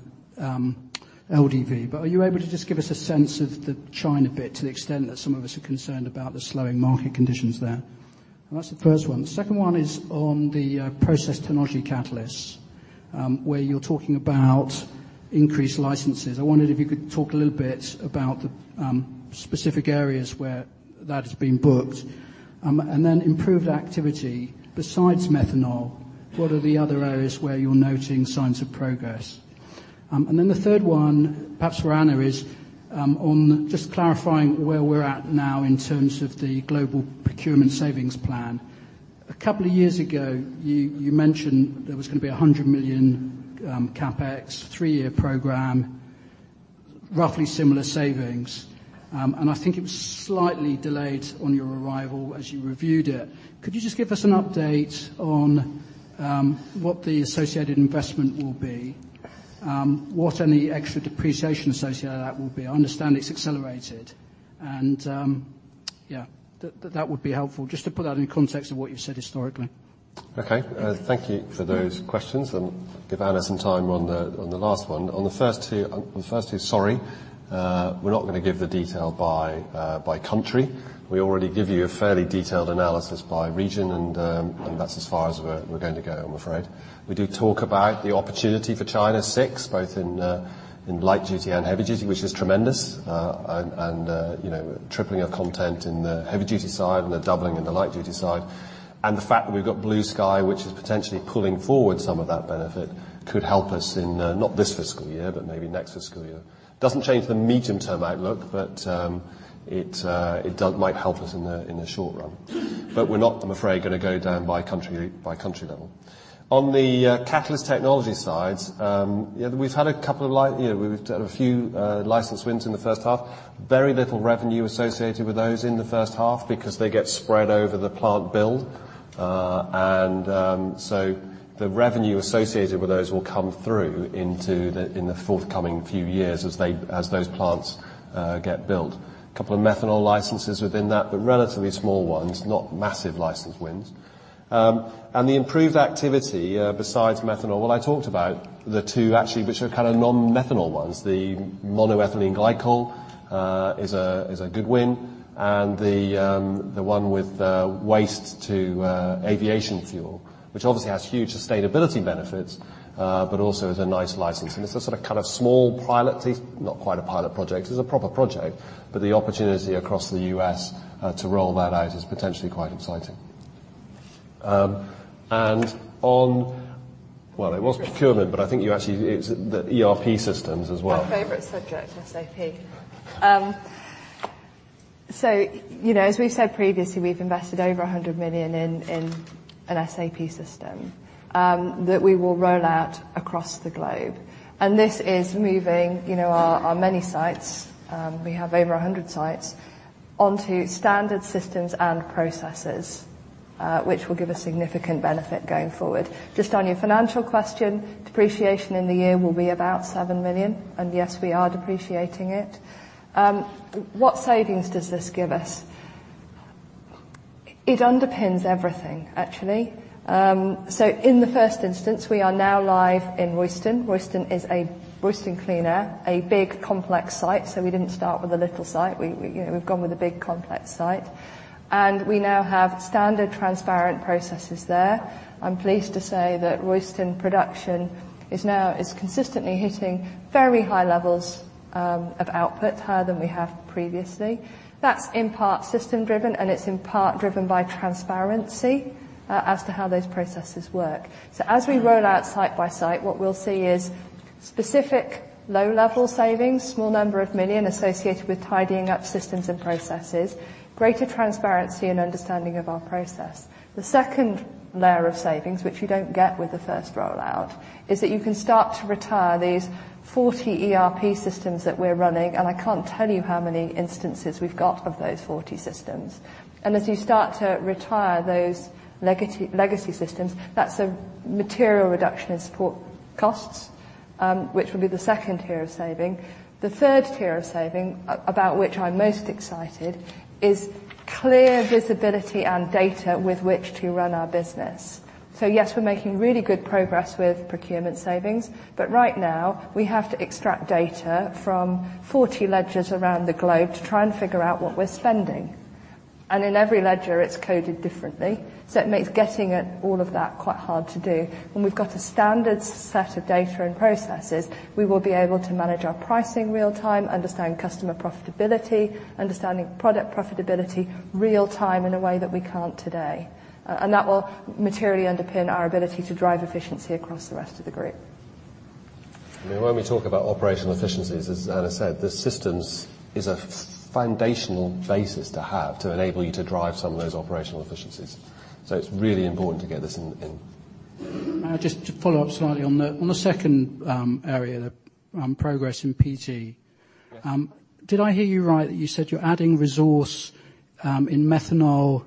LDV. Are you able to just give us a sense of the China bit to the extent that some of us are concerned about the slowing market conditions there? That is the first one. The second one is on the process technology catalysts, where you are talking about increased licenses. I wondered if you could talk a little bit about the specific areas where that has been booked. Improved activity. Besides methanol, what are the other areas where you are noting signs of progress? The third one, perhaps for Anna, is on just clarifying where we are at now in terms of the global procurement savings plan. A couple of years ago, you mentioned there was going to be 100 million CapEx, three-year program, roughly similar savings. I think it was slightly delayed on your arrival as you reviewed it. Could you just give us an update on what the associated investment will be? What any extra depreciation associated with that will be? I understand it's accelerated. Yeah. That would be helpful just to put that in context of what you've said historically.
Okay. Thank you for those questions. I'll give Anna some time on the last one. On the first two, sorry. We're not going to give the detail by country. We already give you a fairly detailed analysis by region, and that's as far as we're going to go, I'm afraid. We do talk about the opportunity for China 6, both in light duty and heavy duty, which is tremendous. Tripling of content in the heavy duty side and the doubling in the light duty side. The fact that we've got Blue Sky, which is potentially pulling forward some of that benefit could help us in, not this fiscal year, but maybe next fiscal year. Doesn't change the medium term outlook, it might help us in the short run. We're not, I'm afraid, going to go down by country level. On the Catalyst Technologies side, we've had a few license wins in the first half. Very little revenue associated with those in the first half because they get spread over the plant build. So the revenue associated with those will come through in the forthcoming few years as those plants get built. A couple of methanol licenses within that, but relatively small ones, not massive license wins. The improved activity besides methanol. Well, I talked about the two actually, which are kind of non-methanol ones. The monoethylene glycol is a good win, and the one with waste to aviation fuel, which obviously has huge sustainability benefits, but also is a nice license. It's a sort of small pilot. Not quite a pilot project. It's a proper project. The opportunity across the U.S. to roll that out is potentially quite exciting. On, well, it was procurement, I think you. It's the ERP systems as well.
My favorite subject, SAP. As we've said previously, we've invested over 100 million in an SAP system that we will roll out across the globe. This is moving our many sites. We have over 100 sites onto standard systems and processes, which will give a significant benefit going forward. Just on your financial question, depreciation in the year will be about 7 million, and yes, we are depreciating it. What savings does this give us? It underpins everything, actually. In the first instance, we are now live in Royston. Royston is a Royston Clean Air, a big, complex site. We didn't start with a little site. We've gone with a big, complex site. We now have standard transparent processes there. I'm pleased to say that Royston production is now consistently hitting very high levels of output, higher than we have previously. That's in part system driven, and it's in part driven by transparency as to how those processes work. As we roll out site by site, what we'll see is specific low-level savings, small number of million associated with tidying up systems and processes, greater transparency and understanding of our process. The 2nd tier of savings, which you don't get with the first rollout, is that you can start to retire these 40 ERP systems that we're running, I can't tell you how many instances we've got of those 40 systems. As you start to retire those legacy systems, that's a material reduction in support costs, which will be the 2nd tier of saving. The 3rd tier of saving, about which I'm most excited, is clear visibility and data with which to run our business. Yes, we're making really good progress with procurement savings. Right now, we have to extract data from 40 ledgers around the globe to try and figure out what we're spending. In every ledger it's coded differently, so it makes getting at all of that quite hard to do. When we've got a standard set of data and processes, we will be able to manage our pricing real time, understand customer profitability, understanding product profitability real time in a way that we can't today. That will materially underpin our ability to drive efficiency across the rest of the group.
I mean, when we talk about operational efficiencies, as Anna said, the systems is a foundational basis to have to enable you to drive some of those operational efficiencies. It's really important to get this in.
Just to follow up slightly on the second area, progress in PGM. Did I hear you right that you said you're adding resource in methanol,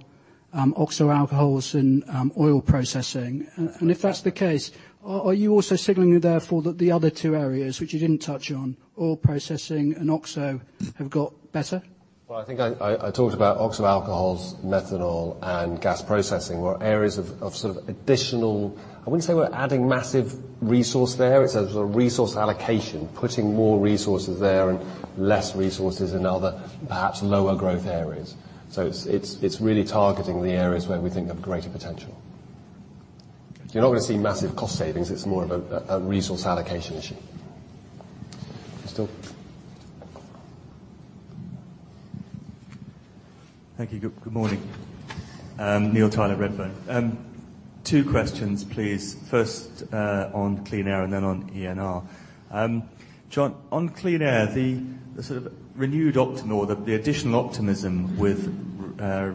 oxo alcohols, and oil processing? If that's the case, are you also signaling therefore that the other two areas, which you didn't touch on, oil processing and oxo, have got better?
Well, I think I talked about oxo alcohols, methanol, and gas processing were areas of sort of additional. I wouldn't say we're adding massive resource there. It's a sort of resource allocation, putting more resources there and less resources in other, perhaps lower growth areas. It's really targeting the areas where we think have greater potential. You're not going to see massive cost savings. It's more of a resource allocation issue. Crystal?
Thank you. Good morning. Neil Tyler, Redburn. Two questions, please. First on Clean Air and then on ENR. John, on Clean Air, the sort of renewed or the additional optimism with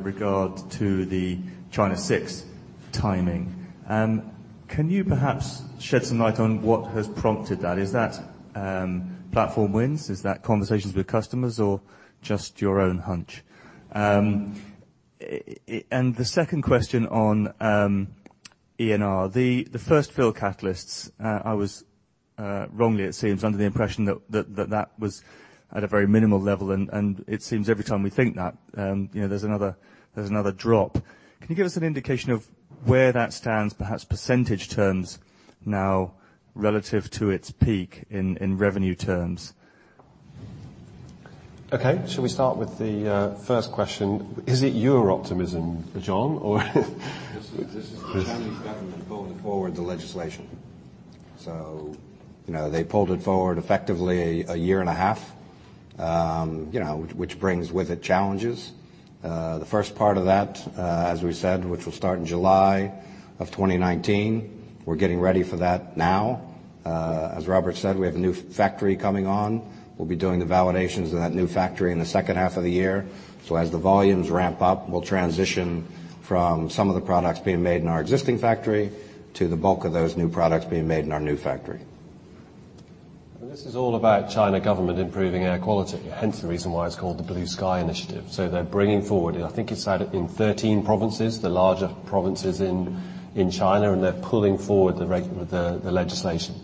regard to the China 6 timing, can you perhaps shed some light on what has prompted that? Is that platform wins? Is that conversations with customers or just your own hunch? The second question on ENR. The first fill catalysts, I was wrongly, it seems, under the impression that that was at a very minimal level, and it seems every time we think that there's another drop. Can you give us an indication of where that stands, perhaps % terms now relative to its peak in revenue terms?
Shall we start with the first question? Is it your optimism, John, or
This is the Chinese government pulling forward the legislation. They pulled it forward effectively a year and a half which brings with it challenges. The first part of that, as we said, which will start in July of 2019, we're getting ready for that now. As Robert said, we have a new factory coming on. We'll be doing the validations of that new factory in the second half of the year. As the volumes ramp up, we'll transition from some of the products being made in our existing factory to the bulk of those new products being made in our new factory.
This is all about China government improving air quality, hence the reason why it's called the Blue Sky Initiative. They're bringing forward, I think it's in 13 provinces, the larger provinces in China, and they're pulling forward the legislation,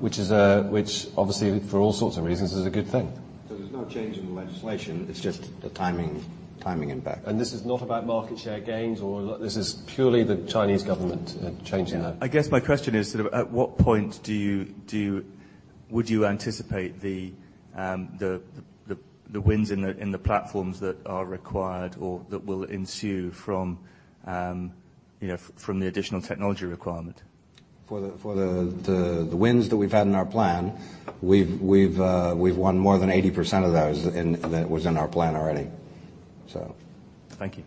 which obviously, for all sorts of reasons is a good thing.
There's no change in the legislation. It's just the timing impact.
This is not about market share gains. This is purely the Chinese government changing that.
I guess my question is sort of at what point would you anticipate the wins in the platforms that are required or that will ensue from the additional technology requirement?
For the wins that we've had in our plan, we've won more than 80% of those and that was in our plan already.
Thank you.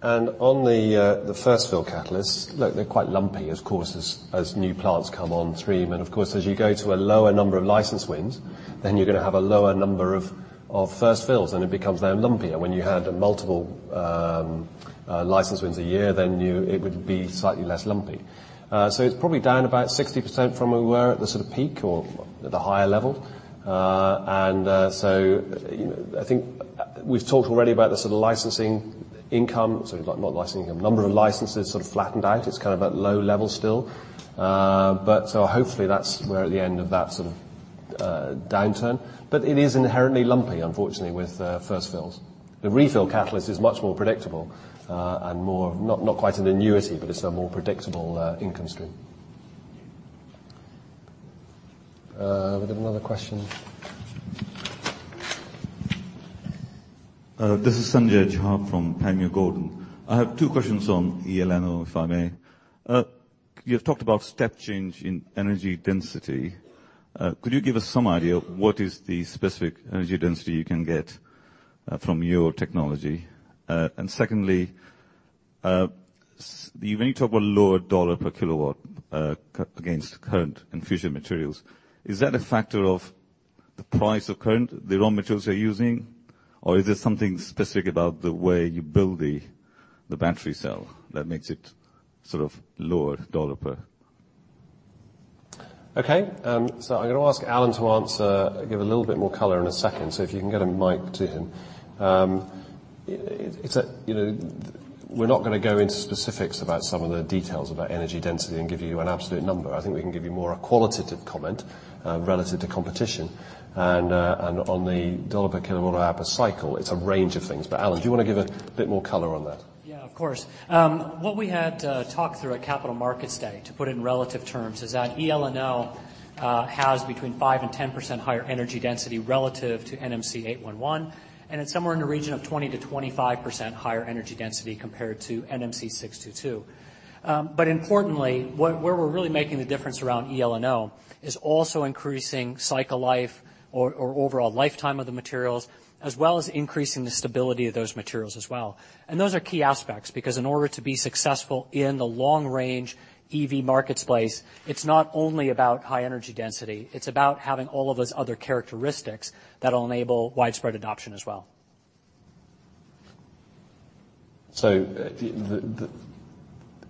On the first fill catalysts, look, they're quite lumpy, of course, as new plants come on stream. Of course, as you go to a lower number of license wins, then you're going to have a lower number of first fills and it becomes now lumpier. When you had multiple license wins a year, then it would be slightly less lumpy. It's probably down about 60% from where we were at the sort of peak or at the higher level. I think we've talked already about the sort of licensing income, sorry, not licensing income, number of licenses sort of flattened out. It's kind of at low level still. Hopefully that's where at the end of that downturn, but it is inherently lumpy, unfortunately, with first fills. The refill catalyst is much more predictable and more, not quite an annuity, but it's a more predictable income stream. We've got another question.
This is Sanjay Jha from Panmure Gordon. I have two questions on eLNO, if I may. You have talked about step change in energy density. Could you give us some idea of what is the specific energy density you can get from your technology? Secondly, when you talk about lower dollar per kilowatt against current and future materials, is that a factor of the price of current, the raw materials you're using, or is there something specific about the way you build the battery cell that makes it lower dollar per?
Okay. I'm going to ask Alan to answer, give a little bit more color in a second. If you can get a mic to him. We're not going to go into specifics about some of the details about energy density and give you an absolute number. I think we can give you more a qualitative comment relative to competition. On the dollar per kilowatt hour per cycle, it's a range of things. Alan, do you want to give a bit more color on that?
Yeah, of course. What we had talked through at Capital Markets Day, to put it in relative terms, is that eLNO has between five percent and 10% higher energy density relative to NMC 811, and it's somewhere in the region of 20%-25% higher energy density compared to NMC 622. Importantly, where we're really making the difference around eLNO is also increasing cycle life or overall lifetime of the materials, as well as increasing the stability of those materials as well. Those are key aspects, because in order to be successful in the long range EV marketplace, it's not only about high energy density, it's about having all of those other characteristics that will enable widespread adoption as well.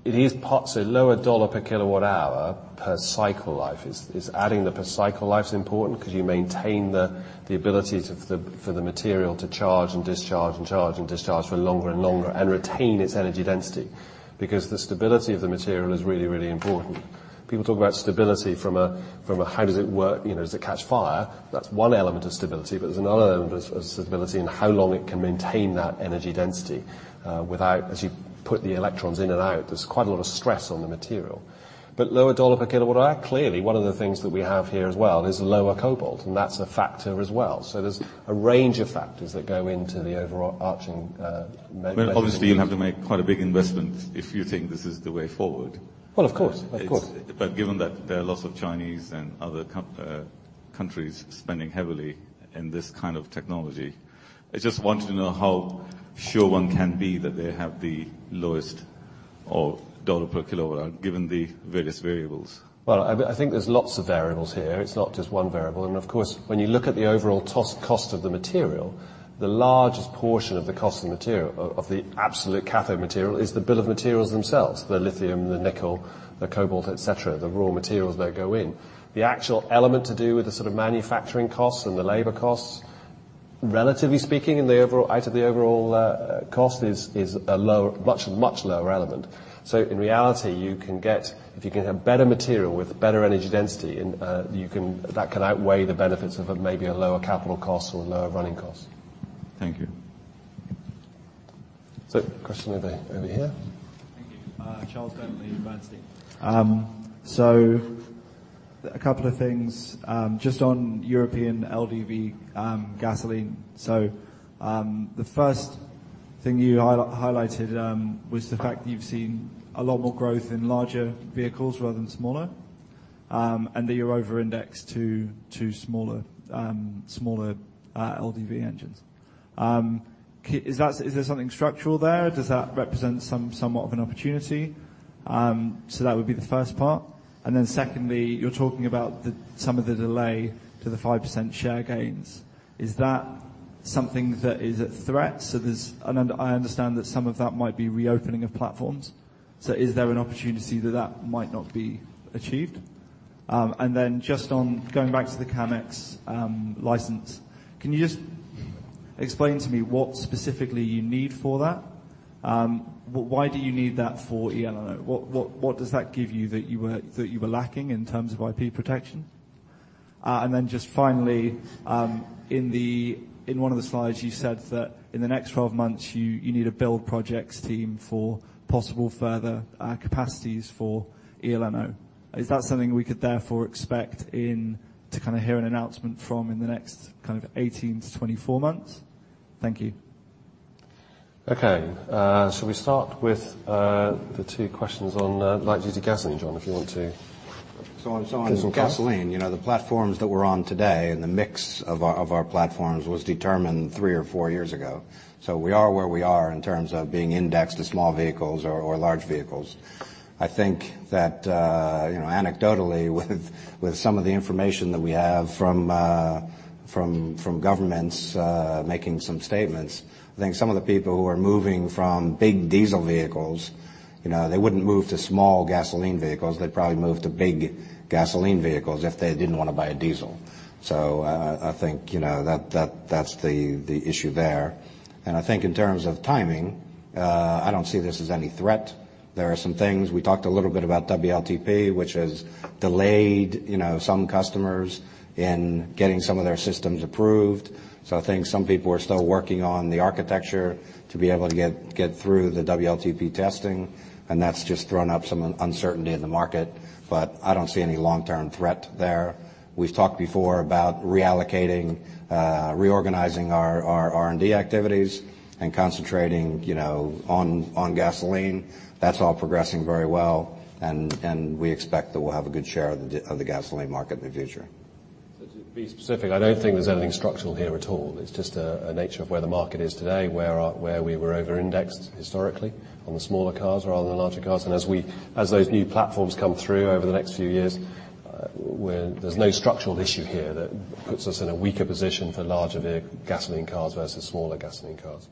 It is parts of lower dollar per kilowatt hour per cycle life. Is adding the per cycle life important because you maintain the ability for the material to charge and discharge and charge and discharge for longer and longer and retain its energy density? Because the stability of the material is really, really important. People talk about stability from a how does it work? Does it catch fire? That's one element of stability, but there's another element of stability in how long it can maintain that energy density without, as you put the electrons in and out, there's quite a lot of stress on the material. Lower dollar per kilowatt hour, clearly one of the things that we have here as well is lower cobalt, and that's a factor as well. There's a range of factors that go into the.
Well, obviously you have to make quite a big investment if you think this is the way forward.
Well, of course.
Given that there are lots of Chinese and other countries spending heavily in this kind of technology, I just wanted to know how sure one can be that they have the lowest GBP per kilowatt-hour given the various variables.
Well, I think there's lots of variables here. It's not just one variable. Of course, when you look at the overall cost of the material, the largest portion of the cost of the absolute cathode material is the bill of materials themselves, the lithium, the nickel, the cobalt, et cetera, the raw materials that go in. The actual element to do with the sort of manufacturing costs and the labor costs, relatively speaking, out of the overall cost is a much lower element. In reality, if you can have better material with better energy density, that can outweigh the benefits of maybe a lower capital cost or a lower running cost.
Thank you.
Question over here.
Thank you. Charles Bentley, Bernstein. A couple of things, just on European LDV gasoline. The first thing you highlighted was the fact that you've seen a lot more growth in larger vehicles rather than smaller, and that you're over-indexed to smaller LDV engines. Is there something structural there? Does that represent somewhat of an opportunity? That would be the first part, and then secondly, you're talking about some of the delay to the 5% share gains. Is that something that is a threat? I understand that some of that might be reopening of platforms. Is there an opportunity that that might not be achieved? Then just on going back to the CAMX license, can you just explain to me what specifically you need for that? Why do you need that for eLNO? What does that give you that you were lacking in terms of IP protection? Then just finally, in one of the slides, you said that in the next 12 months, you need to build projects team for possible further capacities for eLNO. Is that something we could therefore expect to hear an announcement from in the next 18 to 24 months? Thank you.
Okay. Shall we start with the two questions on light duty gasoline, John, if you want to-
On gasoline, the platforms that we're on today and the mix of our platforms was determined three or four years ago. We are where we are in terms of being indexed to small vehicles or large vehicles. I think that anecdotally, with some of the information that we have from governments making some statements, I think some of the people who are moving from big diesel vehicles, they wouldn't move to small gasoline vehicles. They'd probably move to big gasoline vehicles if they didn't want to buy a diesel. I think that's the issue there. I think in terms of timing, I don't see this as any threat. There are some things, we talked a little bit about WLTP, which has delayed some customers in getting some of their systems approved. I think some people are still working on the architecture to be able to get through the WLTP testing, and that's just thrown up some uncertainty in the market. I don't see any long-term threat there. We've talked before about reallocating, reorganizing our R&D activities and concentrating on gasoline. That's all progressing very well, and we expect that we'll have a good share of the gasoline market in the future.
To be specific, I don't think there's anything structural here at all. It's just a nature of where the market is today, where we were over-indexed historically on the smaller cars rather than larger cars. As those new platforms come through over the next few years, there's no structural issue here that puts us in a weaker position for larger vehicle gasoline cars versus smaller gasoline cars.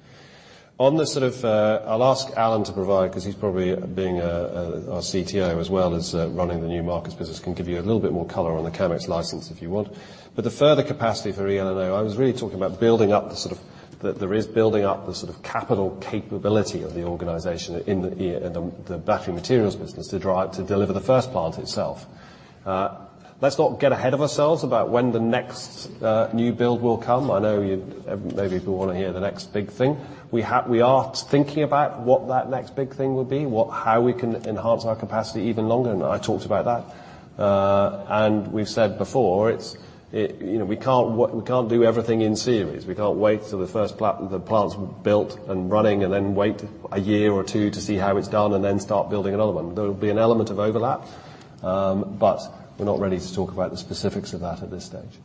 On the I'll ask Alan to provide, because he's probably, being our CTO as well as running the New Markets business, can give you a little bit more color on the CAMX license if you want. The further capacity for eLNO, I was really talking about building up the sort of capital capability of the organization in the battery materials business to deliver the first plant itself. Let's not get ahead of ourselves about when the next new build will come. I know maybe people want to hear the next big thing. We are thinking about what that next big thing will be, how we can enhance our capacity even longer, and I talked about that. We've said before, we can't do everything in series. We can't wait till the plant's built and running and then wait a year or two to see how it's done and then start building another one. There will be an element of overlap. We're not ready to talk about the specifics of that at this stage.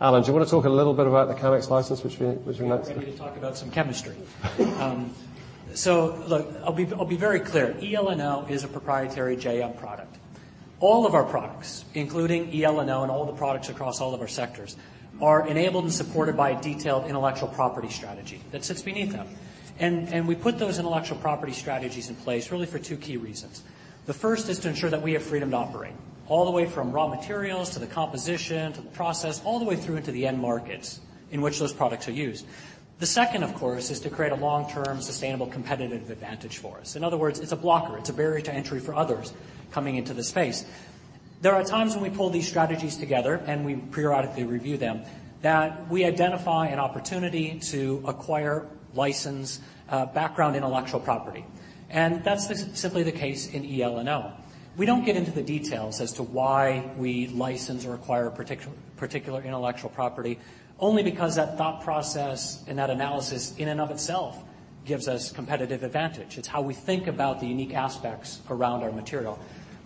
Alan, do you want to talk a little bit about the CAMX license, which we announced?
I'm ready to talk about some chemistry. Look, I'll be very clear. eLNO is a proprietary JM product. All of our products, including eLNO and all the products across all of our sectors, are enabled and supported by a detailed intellectual property strategy that sits beneath them. We put those intellectual property strategies in place really for two key reasons. The first is to ensure that we have freedom to operate, all the way from raw materials to the composition, to the process, all the way through into the end markets in which those products are used. The second, of course, is to create a long-term, sustainable competitive advantage for us. In other words, it's a blocker. It's a barrier to entry for others coming into the space. There are times when we pull these strategies together, and we periodically review them, that we identify an opportunity to acquire license background intellectual property. That's simply the case in eLNO. We do not get into the details as to why we license or acquire a particular intellectual property, only because that thought process and that analysis in and of itself gives us competitive advantage. It's how we think about the unique aspects around our material.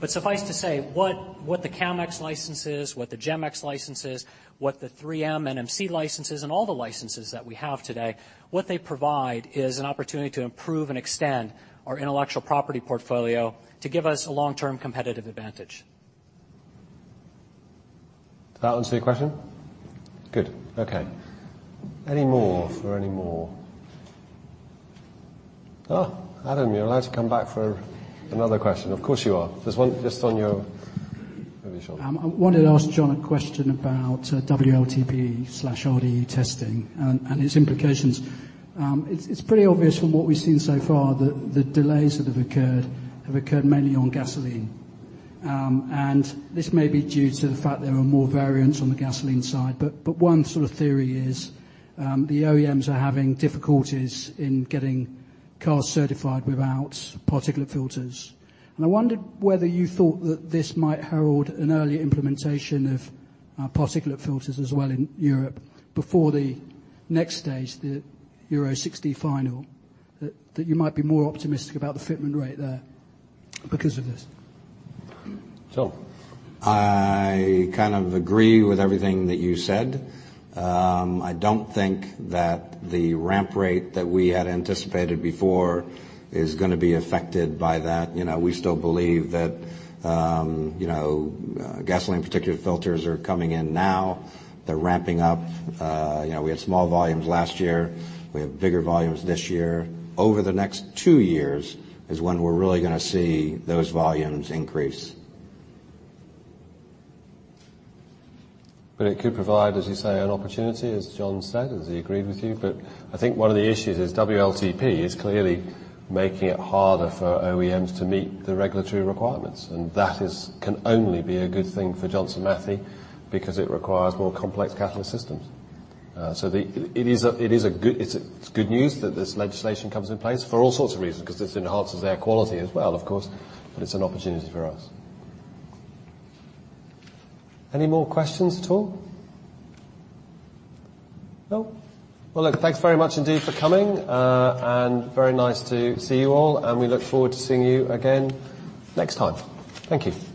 Suffice to say, what the CAMX license is, what the GEMX license is, what the 3M NMC license is, and all the licenses that we have today, what they provide is an opportunity to improve and extend our intellectual property portfolio to give us a long-term competitive advantage.
Did that answer your question? Good. Okay. Any more for anymore. Adam, you're allowed to come back for another question. Of course you are. There's one just on your, maybe Sean.
I wanted to ask John a question about WLTP/RDE testing and its implications. It's pretty obvious from what we've seen so far that the delays that have occurred have occurred mainly on gasoline. This may be due to the fact there are more variants on the gasoline side, but one sort of theory is the OEMs are having difficulties in getting cars certified without particulate filters. I wondered whether you thought that this might herald an early implementation of particulate filters as well in Europe before the next stage, the Euro 6d final, that you might be more optimistic about the fitment rate there because of this.
John.
I kind of agree with everything that you said. I don't think that the ramp rate that we had anticipated before is going to be affected by that. We still believe that gasoline particulate filters are coming in now. They're ramping up. We had small volumes last year. We have bigger volumes this year. Over the next two years is when we're really going to see those volumes increase.
It could provide, as you say, an opportunity, as John said, as he agreed with you. I think one of the issues is WLTP is clearly making it harder for OEMs to meet the regulatory requirements, and that can only be a good thing for Johnson Matthey because it requires more complex catalyst systems. It's good news that this legislation comes in place for all sorts of reasons, because this enhances air quality as well, of course, but it's an opportunity for us. Any more questions at all? No? Well, look, thanks very much indeed for coming. Very nice to see you all, and we look forward to seeing you again next time. Thank you.